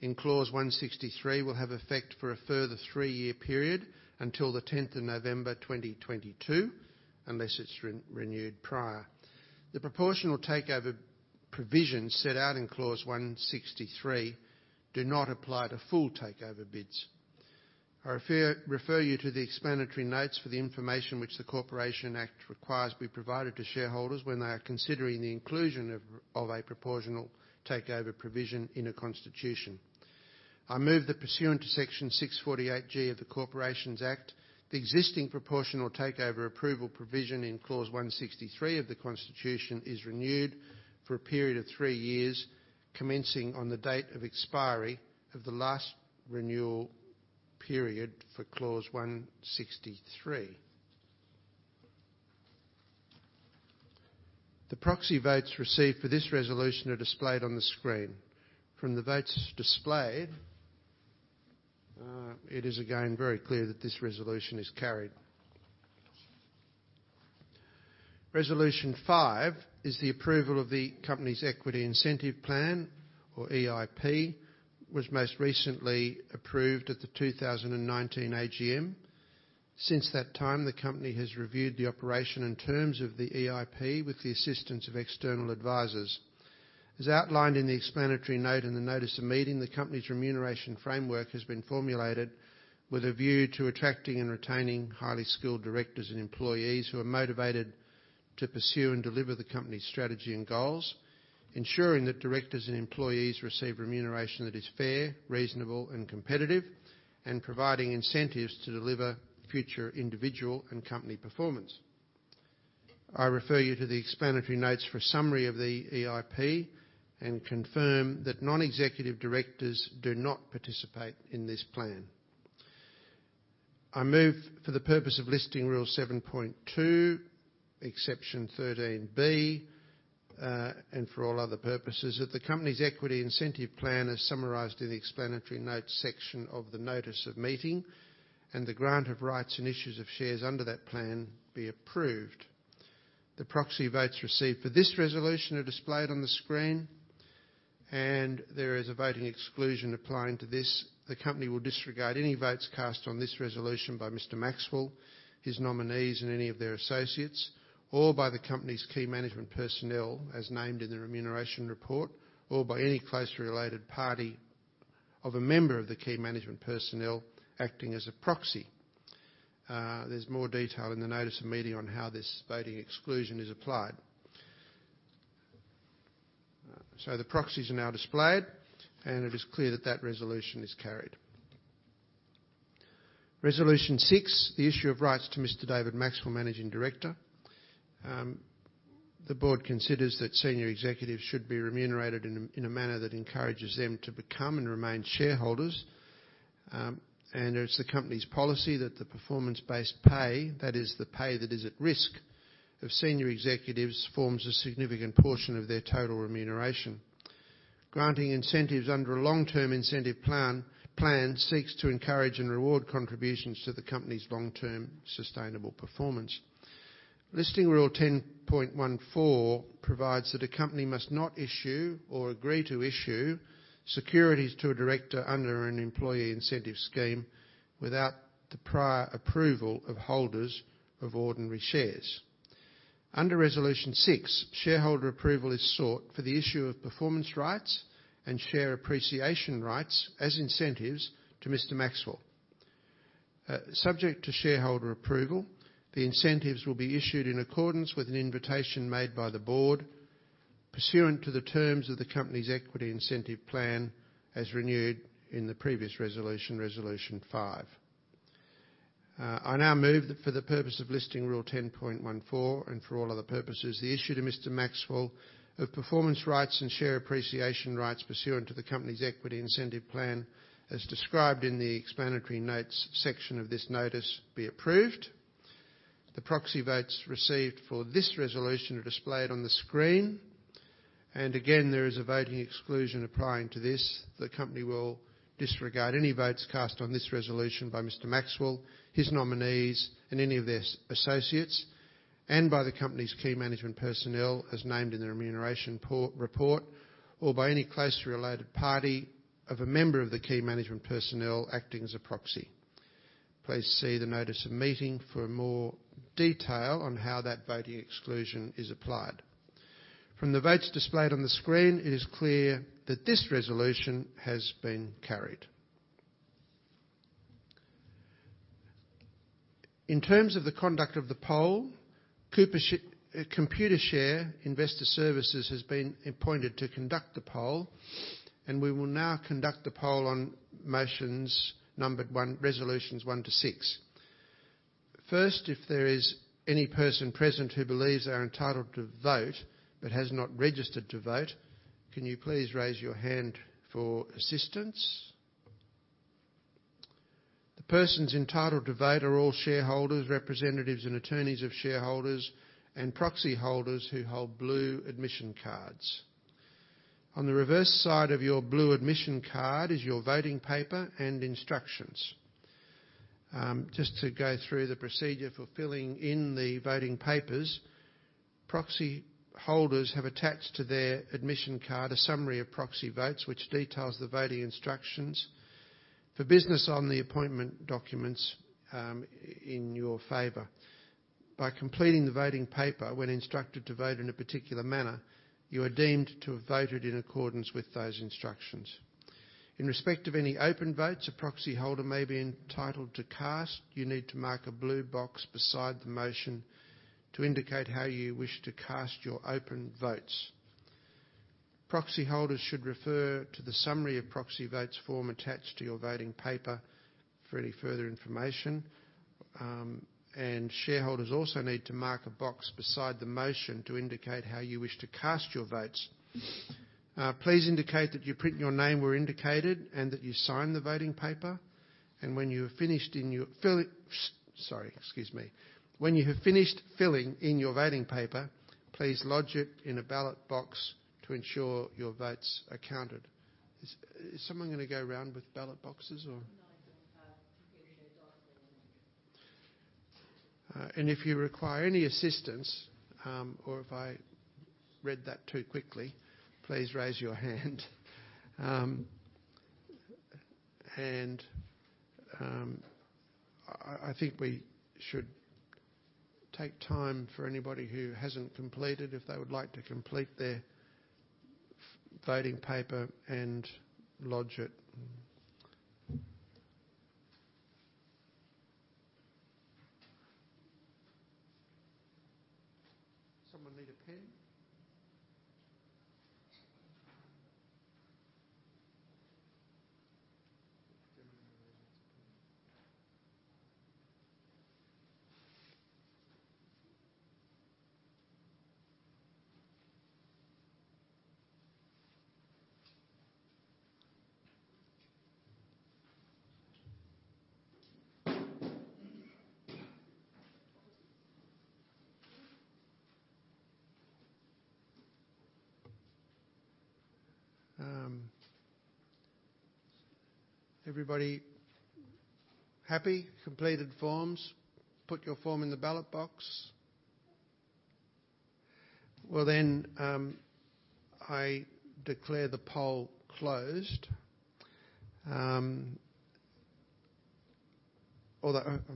in clause 163 will have effect for a further three-year period until the tenth of November 2022, unless it's renewed prior. The proportional takeover provisions set out in clause 163 do not apply to full takeover bids. I refer you to the explanatory notes for the information which the Corporations Act requires be provided to shareholders when they are considering the inclusion of a proportional takeover provision in a constitution. I move that pursuant to Section 648G of the Corporations Act, the existing proportional takeover approval provision in clause 163 of the constitution is renewed for a period of three years, commencing on the date of expiry of the last renewal period for clause 163. The proxy votes received for this resolution are displayed on the screen. From the votes displayed, it is again very clear that this resolution is carried. Resolution 5 is the approval of the company's Equity Incentive Plan, or EIP, was most recently approved at the 2019 AGM. Since that time, the company has reviewed the operation and terms of the EIP with the assistance of external advisors. As outlined in the explanatory note in the notice of meeting, the company's remuneration framework has been formulated with a view to attracting and retaining highly skilled directors and employees who are motivated to pursue and deliver the company's strategy and goals. Ensuring that directors and employees receive remuneration that is fair, reasonable, and competitive, and providing incentives to deliver future individual and company performance. I refer you to the explanatory notes for a summary of the EIP and confirm that non-executive directors do not participate in this plan. I move for the purpose of Listing Rule 7.2, exception 13B, and for all other purposes, that the company's Equity Incentive Plan, as summarized in the explanatory note section of the notice of meeting and the grant of rights and issues of shares under that plan, be approved. The proxy votes received for this resolution are displayed on the screen, and there is a voting exclusion applying to this. The company will disregard any votes cast on this resolution by Mr. David Maxwell, his nominees and any of their associates, or by the company's key management personnel as named in the remuneration report, or by any closely related party of a member of the key management personnel acting as a proxy. There's more detail in the notice of meeting on how this voting exclusion is applied. The proxies are now displayed, and it is clear that that resolution is carried. Resolution 6, the issue of rights to Mr. David Maxwell, Managing Director. The board considers that senior executives should be remunerated in a manner that encourages them to become and remain shareholders. It's the company's policy that the performance-based pay, that is the pay that is at risk for senior executives, forms a significant portion of their total remuneration. Granting incentives under a long-term incentive plan seeks to encourage and reward contributions to the company's long-term sustainable performance. Listing Rule 10.14 provides that a company must not issue or agree to issue securities to a director under an employee incentive scheme without the prior approval of holders of ordinary shares. Under Resolution 6, shareholder approval is sought for the issue of performance rights and share appreciation rights as incentives to Mr. Maxwell. Subject to shareholder approval, the incentives will be issued in accordance with an invitation made by the board pursuant to the terms of the company's Equity Incentive Plan, as renewed in the previous resolution, Resolution 5. I now move that for the purpose of Listing Rule 10.14 and for all other purposes, the issue to Mr. Maxwell of performance rights and share appreciation rights pursuant to the company's Equity Incentive Plan, as described in the Explanatory Notes section of this notice, be approved. The proxy votes received for this resolution are displayed on the screen. Again, there is a voting exclusion applying to this. The company will disregard any votes cast on this resolution by Mr. Maxwell, his nominees, and any of their associates, and by the company's key management personnel as named in the Remuneration Report, or by any closely related party of a member of the key management personnel acting as a proxy. Please see the notice of meeting for more detail on how that voting exclusion is applied. From the votes displayed on the screen, it is clear that this resolution has been carried. In terms of the conduct of the poll, Computershare Investor Services has been appointed to conduct the poll, and we will now conduct the poll on Resolutions 1 to 6. First, if there is any person present who believes they are entitled to vote but has not registered to vote, can you please raise your hand for assistance? The persons entitled to vote are all shareholders, representatives, and attorneys of shareholders and proxy holders who hold blue admission cards. On the reverse side of your blue admission card is your voting paper and instructions. Just to go through the procedure for filling in the voting papers, proxy holders have attached to their admission card a summary of proxy votes which details the voting instructions for business on the appointment documents in your favor. By completing the voting paper when instructed to vote in a particular manner, you are deemed to have voted in accordance with those instructions. In respect of any open votes a proxy holder may be entitled to cast, you need to mark a blue box beside the motion to indicate how you wish to cast your open votes. Proxy holders should refer to the summary of proxy votes form attached to your voting paper for any further information. Shareholders also need to mark a box beside the motion to indicate how you wish to cast your votes. Please indicate that you print your name where indicated and that you sign the voting paper. When you have finished filling in your voting paper, please lodge it in a ballot box to ensure your votes are counted. Is someone gonna go around with ballot boxes or? If you require any assistance, or if I read that too quickly, please raise your hand. I think we should take time for anybody who hasn't completed, if they would like to complete their voting paper and lodge it. Someone need a pen? Everybody happy? Completed forms? Put your form in the ballot box. Well, then, I declare the poll closed. I'm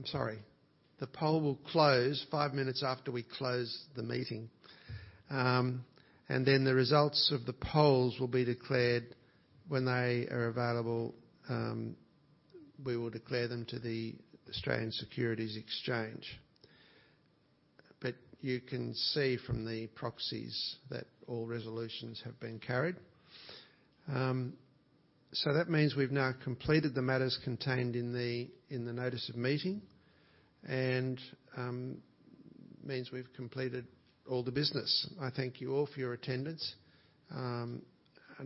sorry. The poll will close five minutes after we close the meeting. Then the results of the polls will be declared when they are available, we will declare them to the Australian Securities Exchange. You can see from the proxies that all resolutions have been carried. That means we've now completed the matters contained in the notice of meeting, and means we've completed all the business. I thank you all for your attendance. I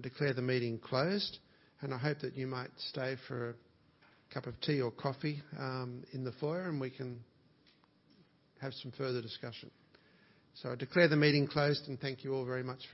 declare the meeting closed. I hope that you might stay for a cup of tea or coffee, in the foyer, and we can have some further discussion. I declare the meeting closed, and thank you all very much for coming.